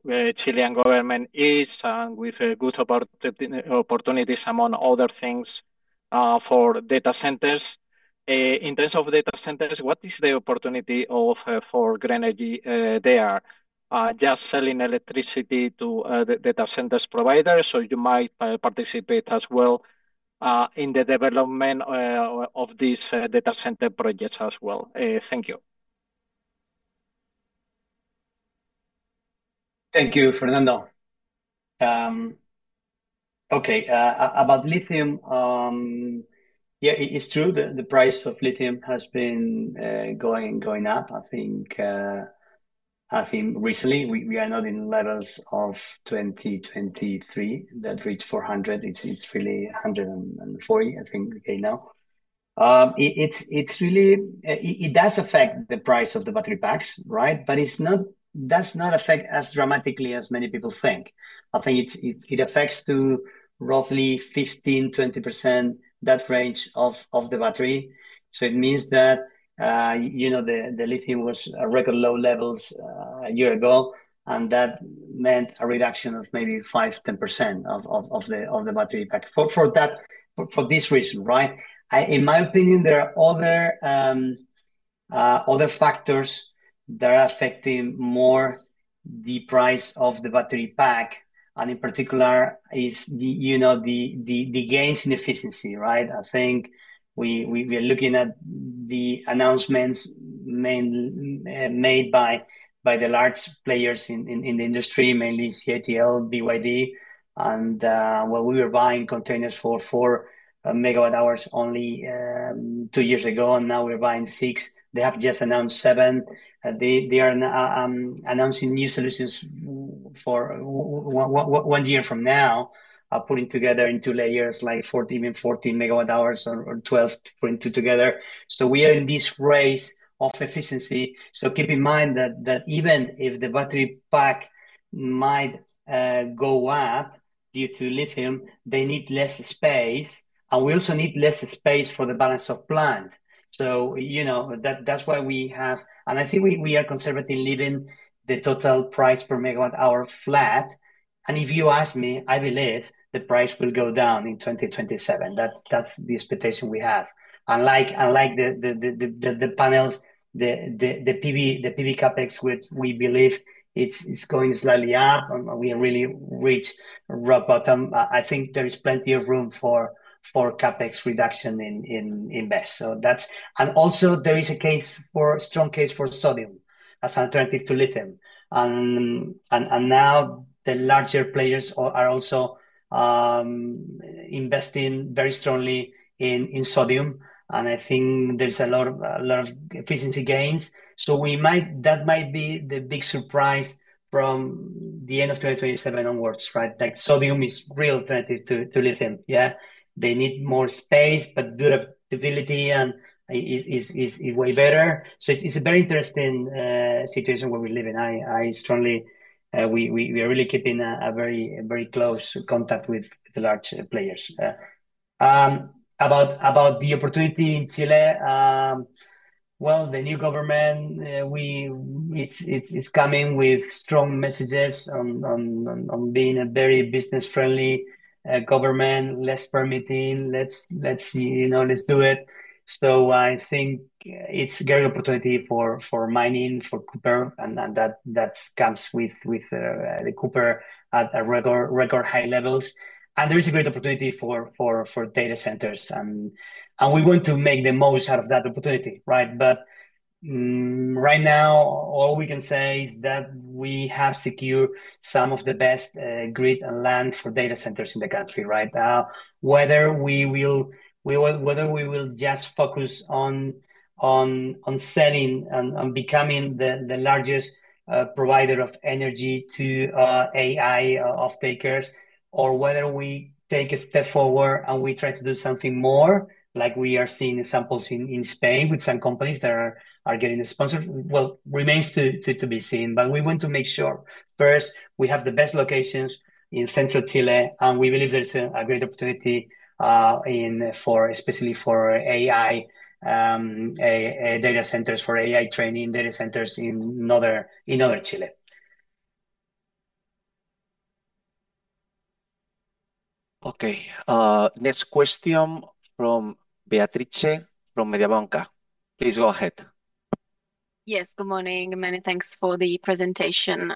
Chilean government is, with good opportunities, among other things, for data centers. In terms of data centers, what is the opportunity of for Grenergy there? Just selling electricity to the data centers providers, or you might participate as well in the development of these data center projects as well? Thank you. Thank you, Fernando. Okay, about lithium, yeah, it's true the price of lithium has been going up. I think, I think recently, we are not in levels of 2023 that reached 400. It's really 140, I think, okay, now. It does affect the price of the battery packs, right? It does not affect as dramatically as many people think. I think it affects to roughly 15%-20%, that range of the battery. It means that, you know, lithium was a record low levels a year ago, and that meant a reduction of maybe 5%-10% of the battery pack. For this reason, right? In my opinion, there are other factors that are affecting more the price of the battery pack, and in particular is the, you know, the gains in efficiency, right? I think we're looking at the announcements made by the large players in the industry, mainly CATL, BYD, and well, we were buying containers for 4MWhs only, 2 years ago, and now we're buying 6. They have just announced 7. They are announcing new solutions for one year from now, are putting together in 2 layers, like 14, even 14MWhs or 12 putting 2 together. We are in this race of efficiency. Keep in mind that even if the battery pack might go up due to lithium, they need less space, and we also need less space for the balance of plant. You know, that's why we have and I think we are conservatively leaving the total price perMWh flat, and if you ask me, I believe the price will go down in 2027. That's the expectation we have. Unlike the panels, the PV CapEx, which we believe it's going slightly up, and we really reached rock bottom. I think there is plenty of room for CapEx reduction in BESS. And also there is a case for strong case for sodium as alternative to lithium. Now the larger players are also investing very strongly in sodium, and I think there's a lot of efficiency gains. That might be the big surprise from the end of 2027 onwards, right? Like, sodium is real alternative to lithium. Yeah. They need more space, but durability is way better. It's a very interesting situation where we live in. We are really keeping a very close contact with the large players. About the opportunity in Chile, well, the new government coming with strong messages on being a very business-friendly government, less permitting. Let's, you know, let's do it. I think it's a great opportunity for mining, for copper, and that comes with the copper at record high levels. There is a great opportunity for data centers, and we want to make the most out of that opportunity, right? Right now, all we can say is that we have secured some of the best grid and land for data centers in the country, right now. Whether we will just focus on selling and becoming the largest provider of energy to AI off-takers, or whether we take a step forward and we try to do something more, like we are seeing examples in Spain with some companies that are getting sponsored, well, remains to be seen. We want to make sure first, we have the best locations in central Chile, and we believe there's a great opportunity in for, especially for AI data centers, for AI training data centers in northern Chile. Okay. next question from Beatrice, from Mediobanca. Please go ahead. Yes, good morning. Many thanks for the presentation.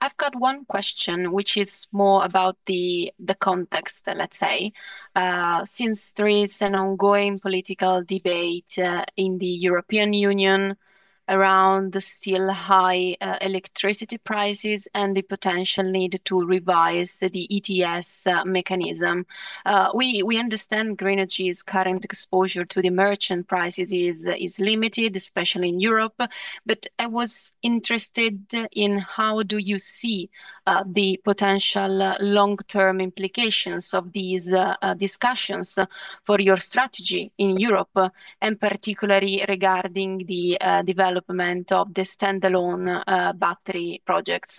I've got one question, which is more about the context, let's say. Since there is an ongoing political debate in the European Union around the still high electricity prices and the potential need to revise the ETS mechanism. We understand Grenergy's current exposure to the merchant prices is limited, especially in Europe, but I was interested in how do you see the potential long-term implications of these discussions for your strategy in Europe, and particularly regarding the development of the standalone battery projects?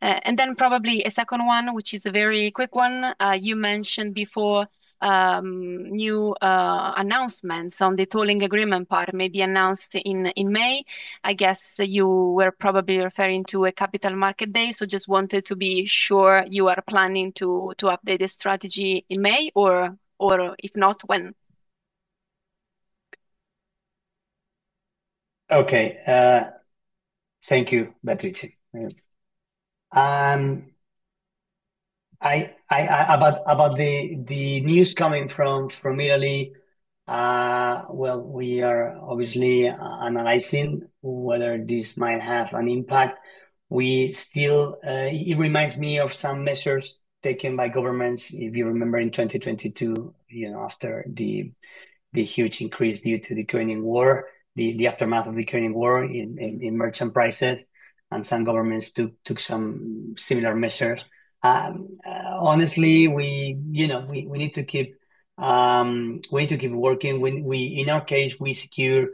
Then probably a second one, which is a very quick one. You mentioned before new announcements on the tolling agreement part may be announced in May. I guess you were probably referring to a capital market day, so just wanted to be sure you are planning to update the strategy in May, or if not, when? Okay. Thank you, Beatriz. About the news coming from Italy, well, we are obviously analyzing whether this might have an impact. We still. It reminds me of some measures taken by governments, if you remember, in 2022, you know, after the huge increase due to the Ukrainian war, the aftermath of the Ukrainian war in merchant prices, and some governments took some similar measures. Honestly, you know, we need to keep working. In our case, we secure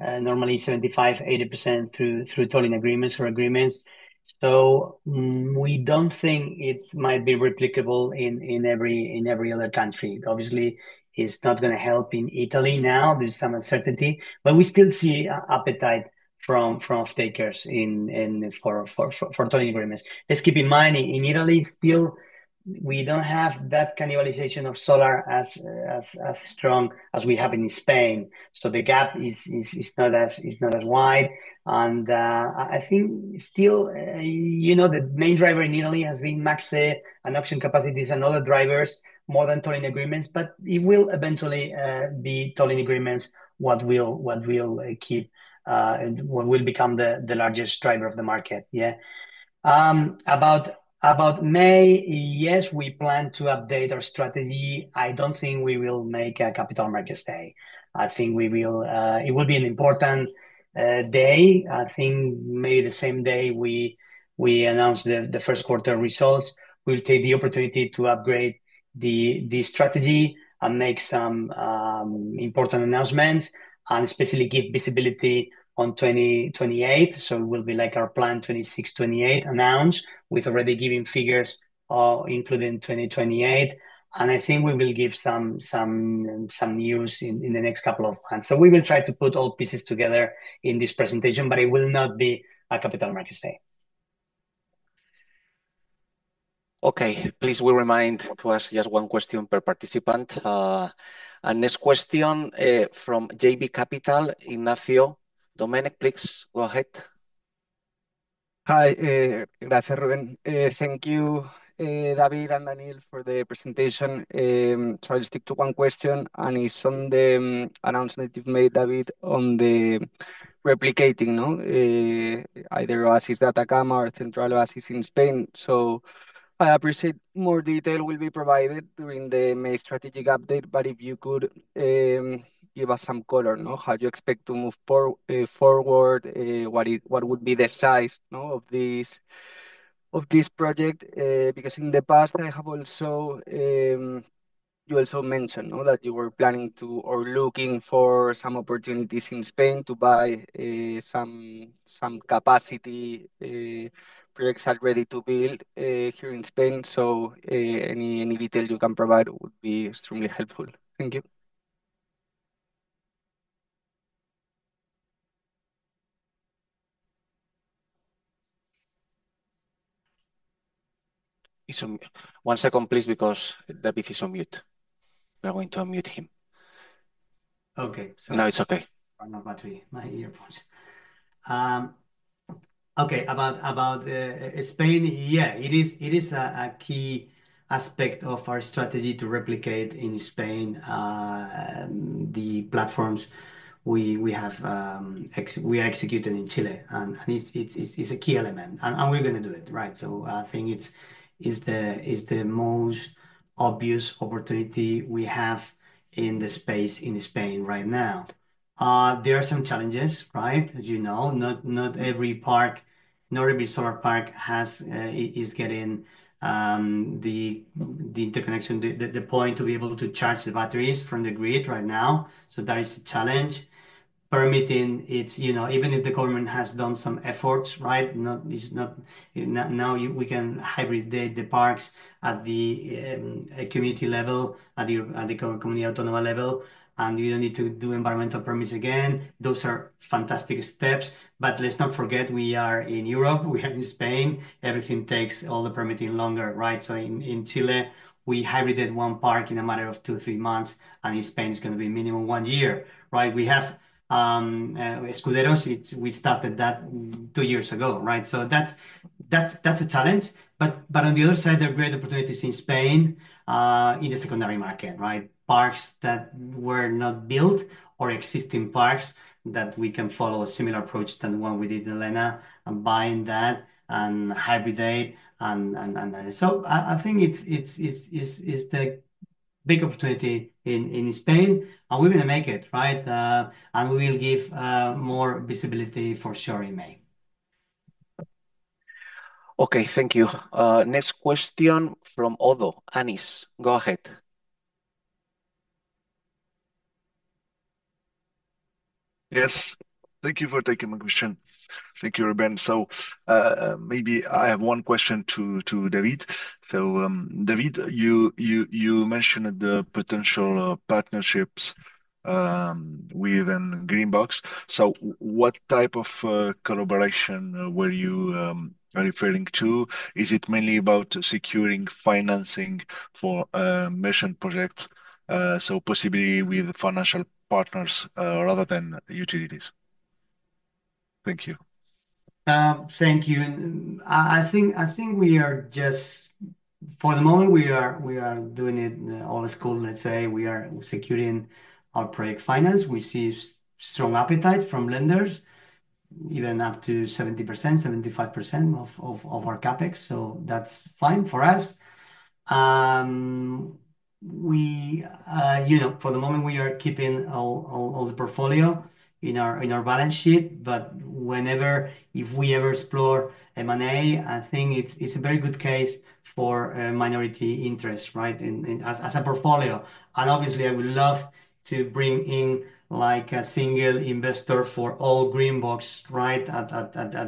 normally 75%, 80% through tolling agreements or agreements. We don't think it might be replicable in every other country. Obviously, it's not gonna help in Italy now. There's some uncertainty, but we still see appetite from off-takers in for tolling agreements. Let's keep in mind, in Italy still, we don't have that cannibalization of solar as strong as we have in Spain, so the gap is not as wide. I think still, you know, the main driver in Italy has been MASE and auction capacities and other drivers, more than tolling agreements, but it will eventually be tolling agreements, what will become the largest driver of the market. Yeah. About May, yes, we plan to update our strategy. I don't think we will make a Capital Markets Day. I think it will be an important day. I think maybe the same day we announce the first quarter results, we'll take the opportunity to upgrade the strategy and make some important announcements, and especially give visibility on 2028. It will be like our plan 2026, 2028 announced, with already giving figures, including 2028. I think we will give some news in the next couple of months. We will try to put all pieces together in this presentation, but it will not be a Capital Markets Day. Please, we remind to ask just one question per participant. Our next question, from JB Capital, Ignacio de las Heras, please go ahead. Thank you, Rubén. Thank you, David and Daniel, for the presentation. I'll stick to one question, and it's on the announcement that you've made, David, on the replicating, no, either Oasis Atacama or Central Oasis in Spain. I appreciate more detail will be provided during the May strategic update, but if you could give us some color, no, how do you expect to move forward? What would be the size, no, of this project? Because in the past, I have also. You also mentioned, no, that you were planning to or looking for some opportunities in Spain to buy some capacity projects are ready to build here in Spain. Any detail you can provide would be extremely helpful. Thank you. One second, please, because David is on mute. We are going to unmute him. Okay. Now it's okay. My battery, my earphones. Okay, about Spain, yeah, it is a key aspect of our strategy to replicate in Spain, the platforms we have, we are executing in Chile, and it's a key element, and we're going to do it, right? I think it's the most obvious opportunity we have in the space in Spain right now. There are some challenges, right? As you know, not every park, not every solar park has, is getting the interconnection, the point to be able to charge the batteries from the grid right now. That is a challenge. Permitting, it's, you know, even if the government has done some efforts, right? Not-- it's not... Now, you, we can hybridate the parks at the community level, at the community autonomous level, you don't need to do environmental permits again. Those are fantastic steps. Let's not forget, we are in Europe, we are in Spain. Everything takes all the permitting longer, right? In Chile, we hybrided 1 park in a matter of 2, 3 months, in Spain, it's going to be minimum 1 year, right? We have Escuderos, we started that 2 years ago, right? That's a challenge. On the other side, there are great opportunities in Spain, in the secondary market, right? Parks that were not built or existing parks that we can follow a similar approach to the one we did in Elena, buying that and hybridate. I think it's the big opportunity in Spain, and we're going to make it, right? We will give more visibility for sure in May. Okay. Thank you. Next question from Iñigo Recio, go ahead. Yes. Thank you for taking my question. Thank you, Ruben. Maybe I have one question to David. David, you mentioned the potential partnerships with Greenbox. What type of collaboration were you referring to? Is it mainly about securing financing for mission projects, so possibly with financial partners, rather than utilities? Thank you. Thank you. I think we are just... For the moment, we are doing it old school, let's say. We are securing our project finance. We see strong appetite from lenders, even up to 70%, 75% of our CapEx, so that's fine for us. We, you know, for the moment we are keeping all the portfolio in our balance sheet, but whenever if we ever explore M&A, I think it's a very good case for minority interest, right? As a portfolio. Obviously, I would love to bring in, like, a single investor for all Greenbox, right at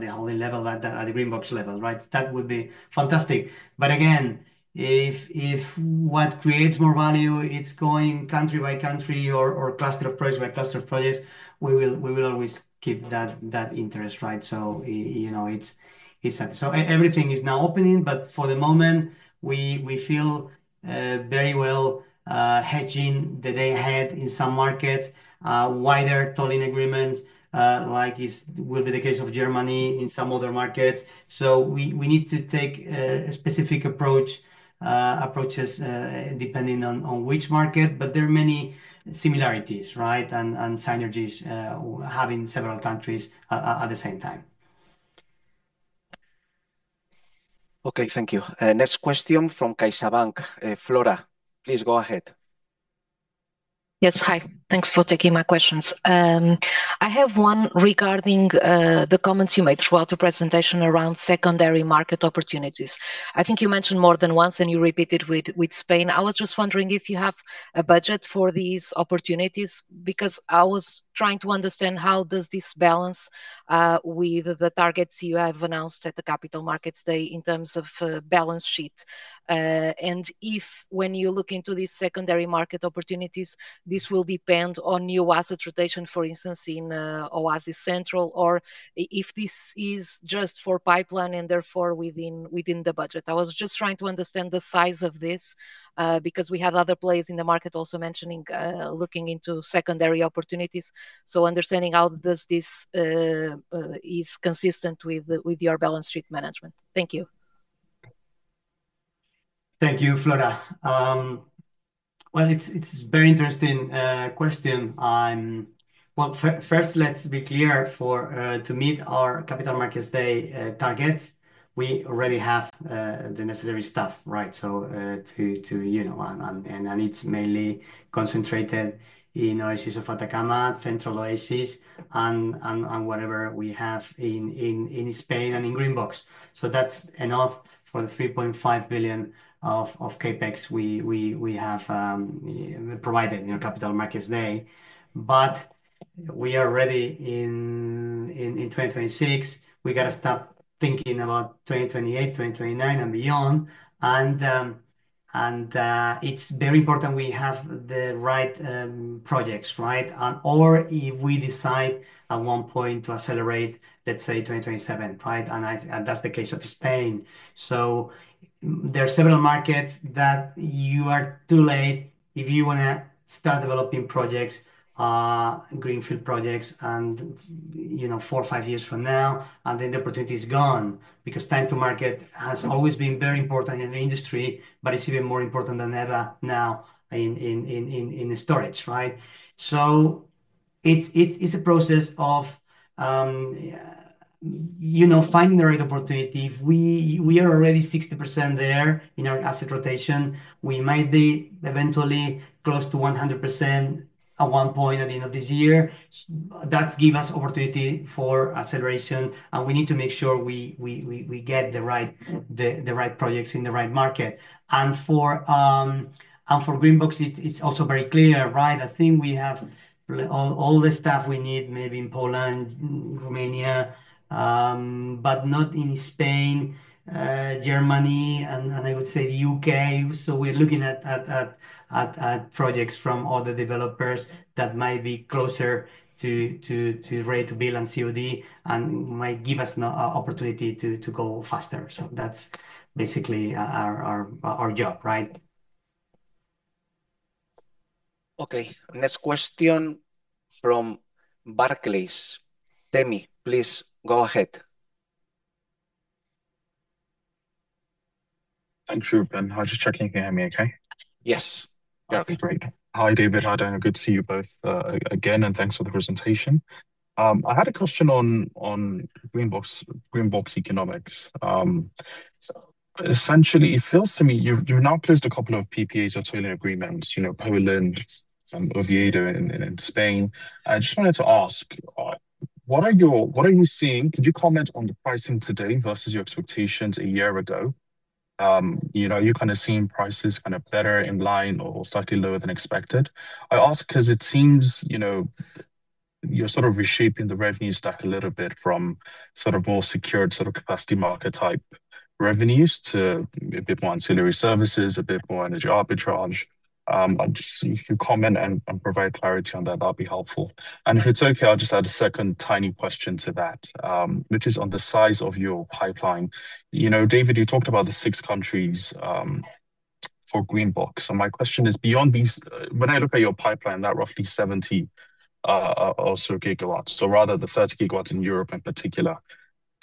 the holding level, at the Greenbox level, right? That would be fantastic. Again, if what creates more value, it's going country by country or cluster of projects by cluster of projects, we will always keep that interest, right? You know, it's that. Everything is now opening, but for the moment, we feel very well hedging the day ahead in some markets, wider tolling agreements, like will be the case of Germany in some other markets. We need to take a specific approach, approaches, depending on which market, but there are many similarities, right, and synergies, having several countries at the same time. Okay, thank you. Next question from CaixaBank. Flora, please go ahead. Yes. Hi, thanks for taking my questions. I have one regarding the comments you made throughout the presentation around secondary market opportunities. I think you mentioned more than once, and you repeated with Spain. I was just wondering if you have a budget for these opportunities, because I was trying to understand how does this balance with the targets you have announced at the Capital Markets Day in terms of balance sheet? If when you look into these secondary market opportunities, this will depend on new asset rotation, for instance, in Central Oasis, or if this is just for pipeline and therefore within the budget. I was just trying to understand the size of this, because we have other players in the market also mentioning looking into secondary opportunities. Understanding how does this is consistent with the, with your balance sheet management. Thank you. Thank you, Flora. Well, it's very interesting question. Well, first, let's be clear, to meet our Capital Markets Day targets, we already have the necessary stuff, right? To, you know, and it's mainly concentrated in Oasis of Atacama, Central Oasis, and whatever we have in Spain and in Greenbox. That's enough for the 3.5 billion of CapEx we have provided in our Capital Markets Day. We are already in 2026, we got to start thinking about 2028, 2029, and beyond. It's very important we have the right projects, right? Or if we decide at one point to accelerate, let's say, 2027, right? That's the case of Spain. There are several markets that you are too late if you want to start developing projects, greenfield projects and, you know, 4 or 5 years from now, and then the opportunity is gone. Time to market has always been very important in the industry, but it's even more important than ever now in storage, right? It's a process of, you know, finding the right opportunity. If we are already 60% there in our asset rotation, we might be eventually close to 100% at 1 point at the end of this year. That give us opportunity for acceleration, and we need to make sure we get the right projects in the right market. For Greenbox, it's also very clear, right? I think we have all the stuff we need, maybe in Poland, Romania, but not in Spain, Germany, and I would say the UK. We're looking at projects from other developers that might be closer to ready-to-build and COD, and might give us an opportunity to go faster. That's basically our job, right? Okay, next question from Barclays. Temitope, please go ahead. Thank you, Rubén. I was just checking if you hear me okay? Yes. Okay, great. Hi, David. Hi, Daniel. Good to see you both again, and thanks for the presentation. I had a question on Greenbox economics. So essentially, it feels to me you've now closed a couple of PPAs or tolling agreements, you know, Poland, some Oviedo in Spain. I just wanted to ask, what are you seeing? Could you comment on the pricing today versus your expectations a year ago? You know, you're kind of seeing prices kind of better in line or slightly lower than expected. I ask because it seems, you know, you're sort of reshaping the revenue stack a little bit from sort of more secured capacity market-type revenues to a bit more ancillary services, a bit more energy arbitrage. I just. If you comment and provide clarity on that'd be helpful. If it's okay, I'll just add a second tiny question to that, which is on the size of your pipeline. You know, David, you talked about the 6 countries for Greenbox. My question is, beyond these, when I look at your pipeline, that roughly 70 also GW, so rather the 30 GW in Europe in particular,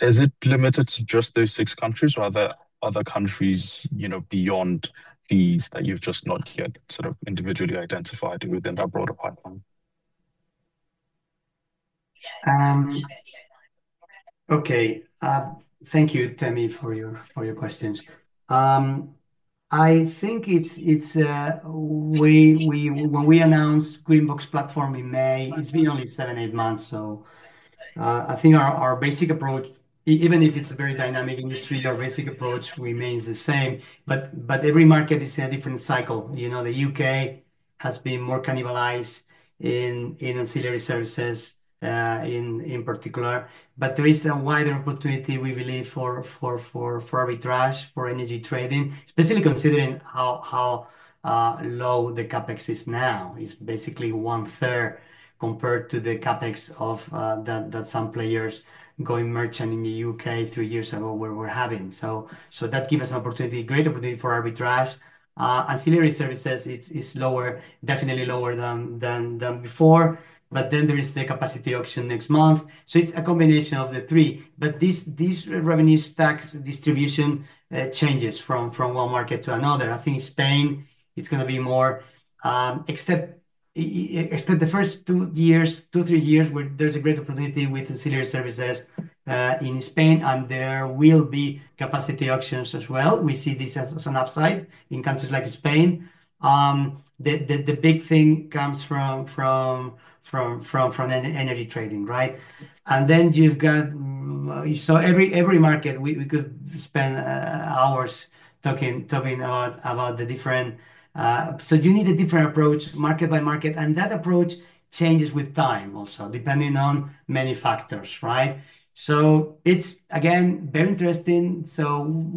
is it limited to just those 6 countries, or are there other countries, you know, beyond these that you've just not yet sort of individually identified within that broader pipeline? Okay. Thank you, Temitope, for your questions. I think it's when we announced Greenbox platform in May, it's been only 7, 8 months. I think our basic approach, even if it's a very dynamic industry, our basic approach remains the same, but every market is in a different cycle. You know, the U.K. has been more cannibalized in ancillary services, in particular, but there is a wider opportunity, we believe, for arbitrage, for energy trading, especially considering how low the CapEx is now. It's basically 1/3 compared to the CapEx of that some players going merchant in the U.K. 3 years ago were having. So that give us an opportunity, great opportunity for arbitrage. Ancillary services, it's lower, definitely lower than before. There is the capacity auction next month. It's a combination of the three. This revenue stack distribution changes from one market to another. I think Spain, it's gonna be more, except the first two years, two, three years, where there's a great opportunity with ancillary services in Spain, and there will be capacity auctions as well. We see this as an upside in countries like Spain. The big thing comes from energy trading, right? You've got every market, we could spend hours talking about the different... You need a different approach, market by market, and that approach changes with time also, depending on many factors, right? It's, again, very interesting.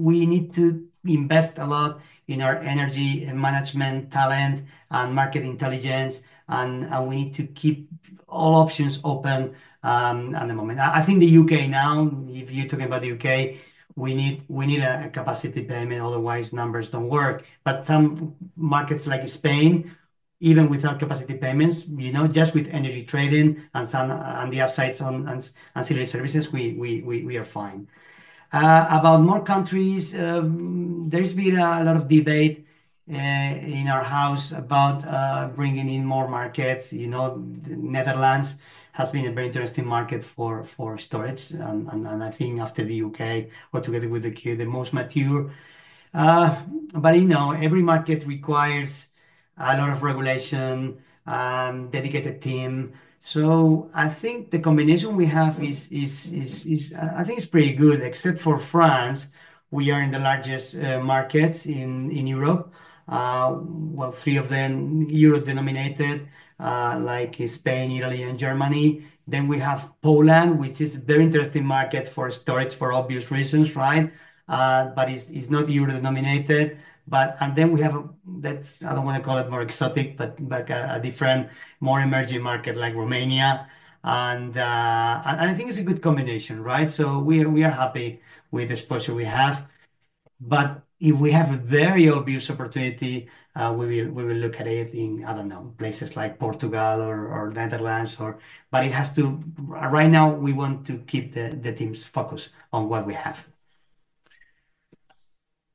We need to invest a lot in our energy management talent and market intelligence, and we need to keep all options open at the moment. I think the U.K. now, if you're talking about the U.K., we need a capacity payment, otherwise numbers don't work. Some markets like Spain, even without capacity payments, you know, just with energy trading and some, and the upsides on ancillary services, we are fine. About more countries, there's been a lot of debate in our house about bringing in more markets. You know, Netherlands has been a very interesting market for storage, and I think after the U.K., or together with the U.K., the most mature. Every market requires a lot of regulation, dedicated team. I think the combination we have is, I think it's pretty good. Except for France, we are in the largest markets in Europe. Three of them euro-denominated, like Spain, Italy, and Germany. We have Poland, which is a very interesting market for storage for obvious reasons, right? It's not euro-denominated. We have, I don't wanna call it more exotic, but like a different, more emerging market like Romania, and I think it's a good combination, right? We are happy with the exposure we have. If we have a very obvious opportunity, we will look at it in, I don't know, places like Portugal or Netherlands, or... Right now we want to keep the team's focus on what we have.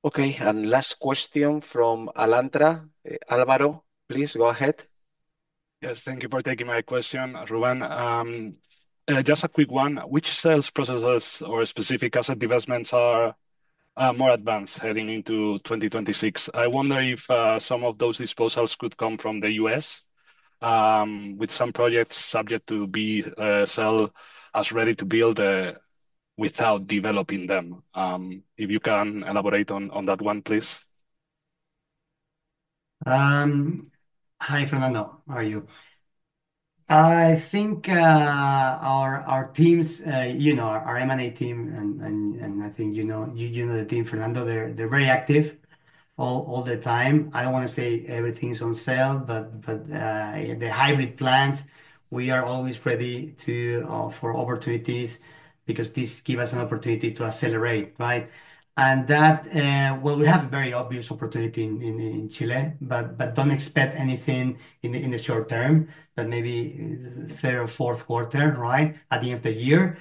Okay, last question from Alantra. Alvaro, please go ahead. Yes, thank you for taking my question, Ruben. Just a quick one. Which sales processes or specific asset divestments are more advanced heading into 2026? I wonder if some of those disposals could come from the U.S., with some projects subject to be sell as ready-to-build without developing them. If you can elaborate on that one, please. Hi, Fernando. How are you? I think our teams, you know, our M&A team, and I think you know, you know the team, Fernando, they're very active all the time. I don't wanna say everything is on sale, but the hybrid plans, we are always ready to for opportunities because this give us an opportunity to accelerate, right? Well, we have a very obvious opportunity in Chile, but don't expect anything in the short term, but maybe third or fourth quarter, right, at the end of the year.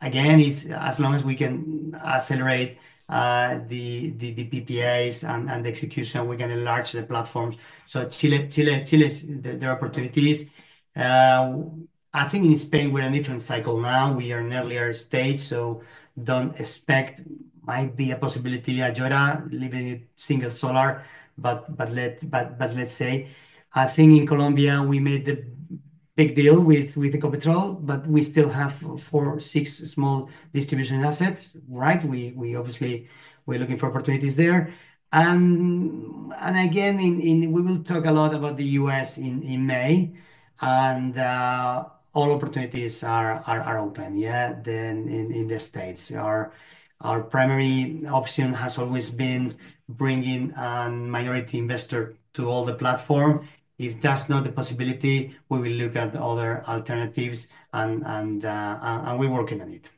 Again, it's as long as we can accelerate the PPAs and the execution, we can enlarge the platforms. Chile is there are opportunities. I think in Spain, we're in a different cycle now. We are in an earlier stage, so don't expect. Might be a possibility, Ayora, leaving it single solar, but let's say. I think in Colombia, we made the big deal with Ecopetrol, but we still have four, six small distribution assets, right? We obviously, we're looking for opportunities there. Again, in we will talk a lot about the US in May, all opportunities are open. Then in the States. Our primary option has always been bringing an minority investor to all the platform. If that's not a possibility, we will look at other alternatives, and we're working on it.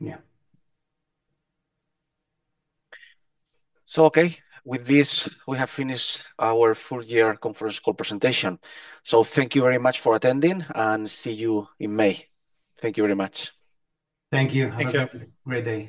Okay, with this, we have finished our full year conference call presentation. Thank you very much for attending, and see you in May. Thank you very much. Thank you. Thank you. Have a great day.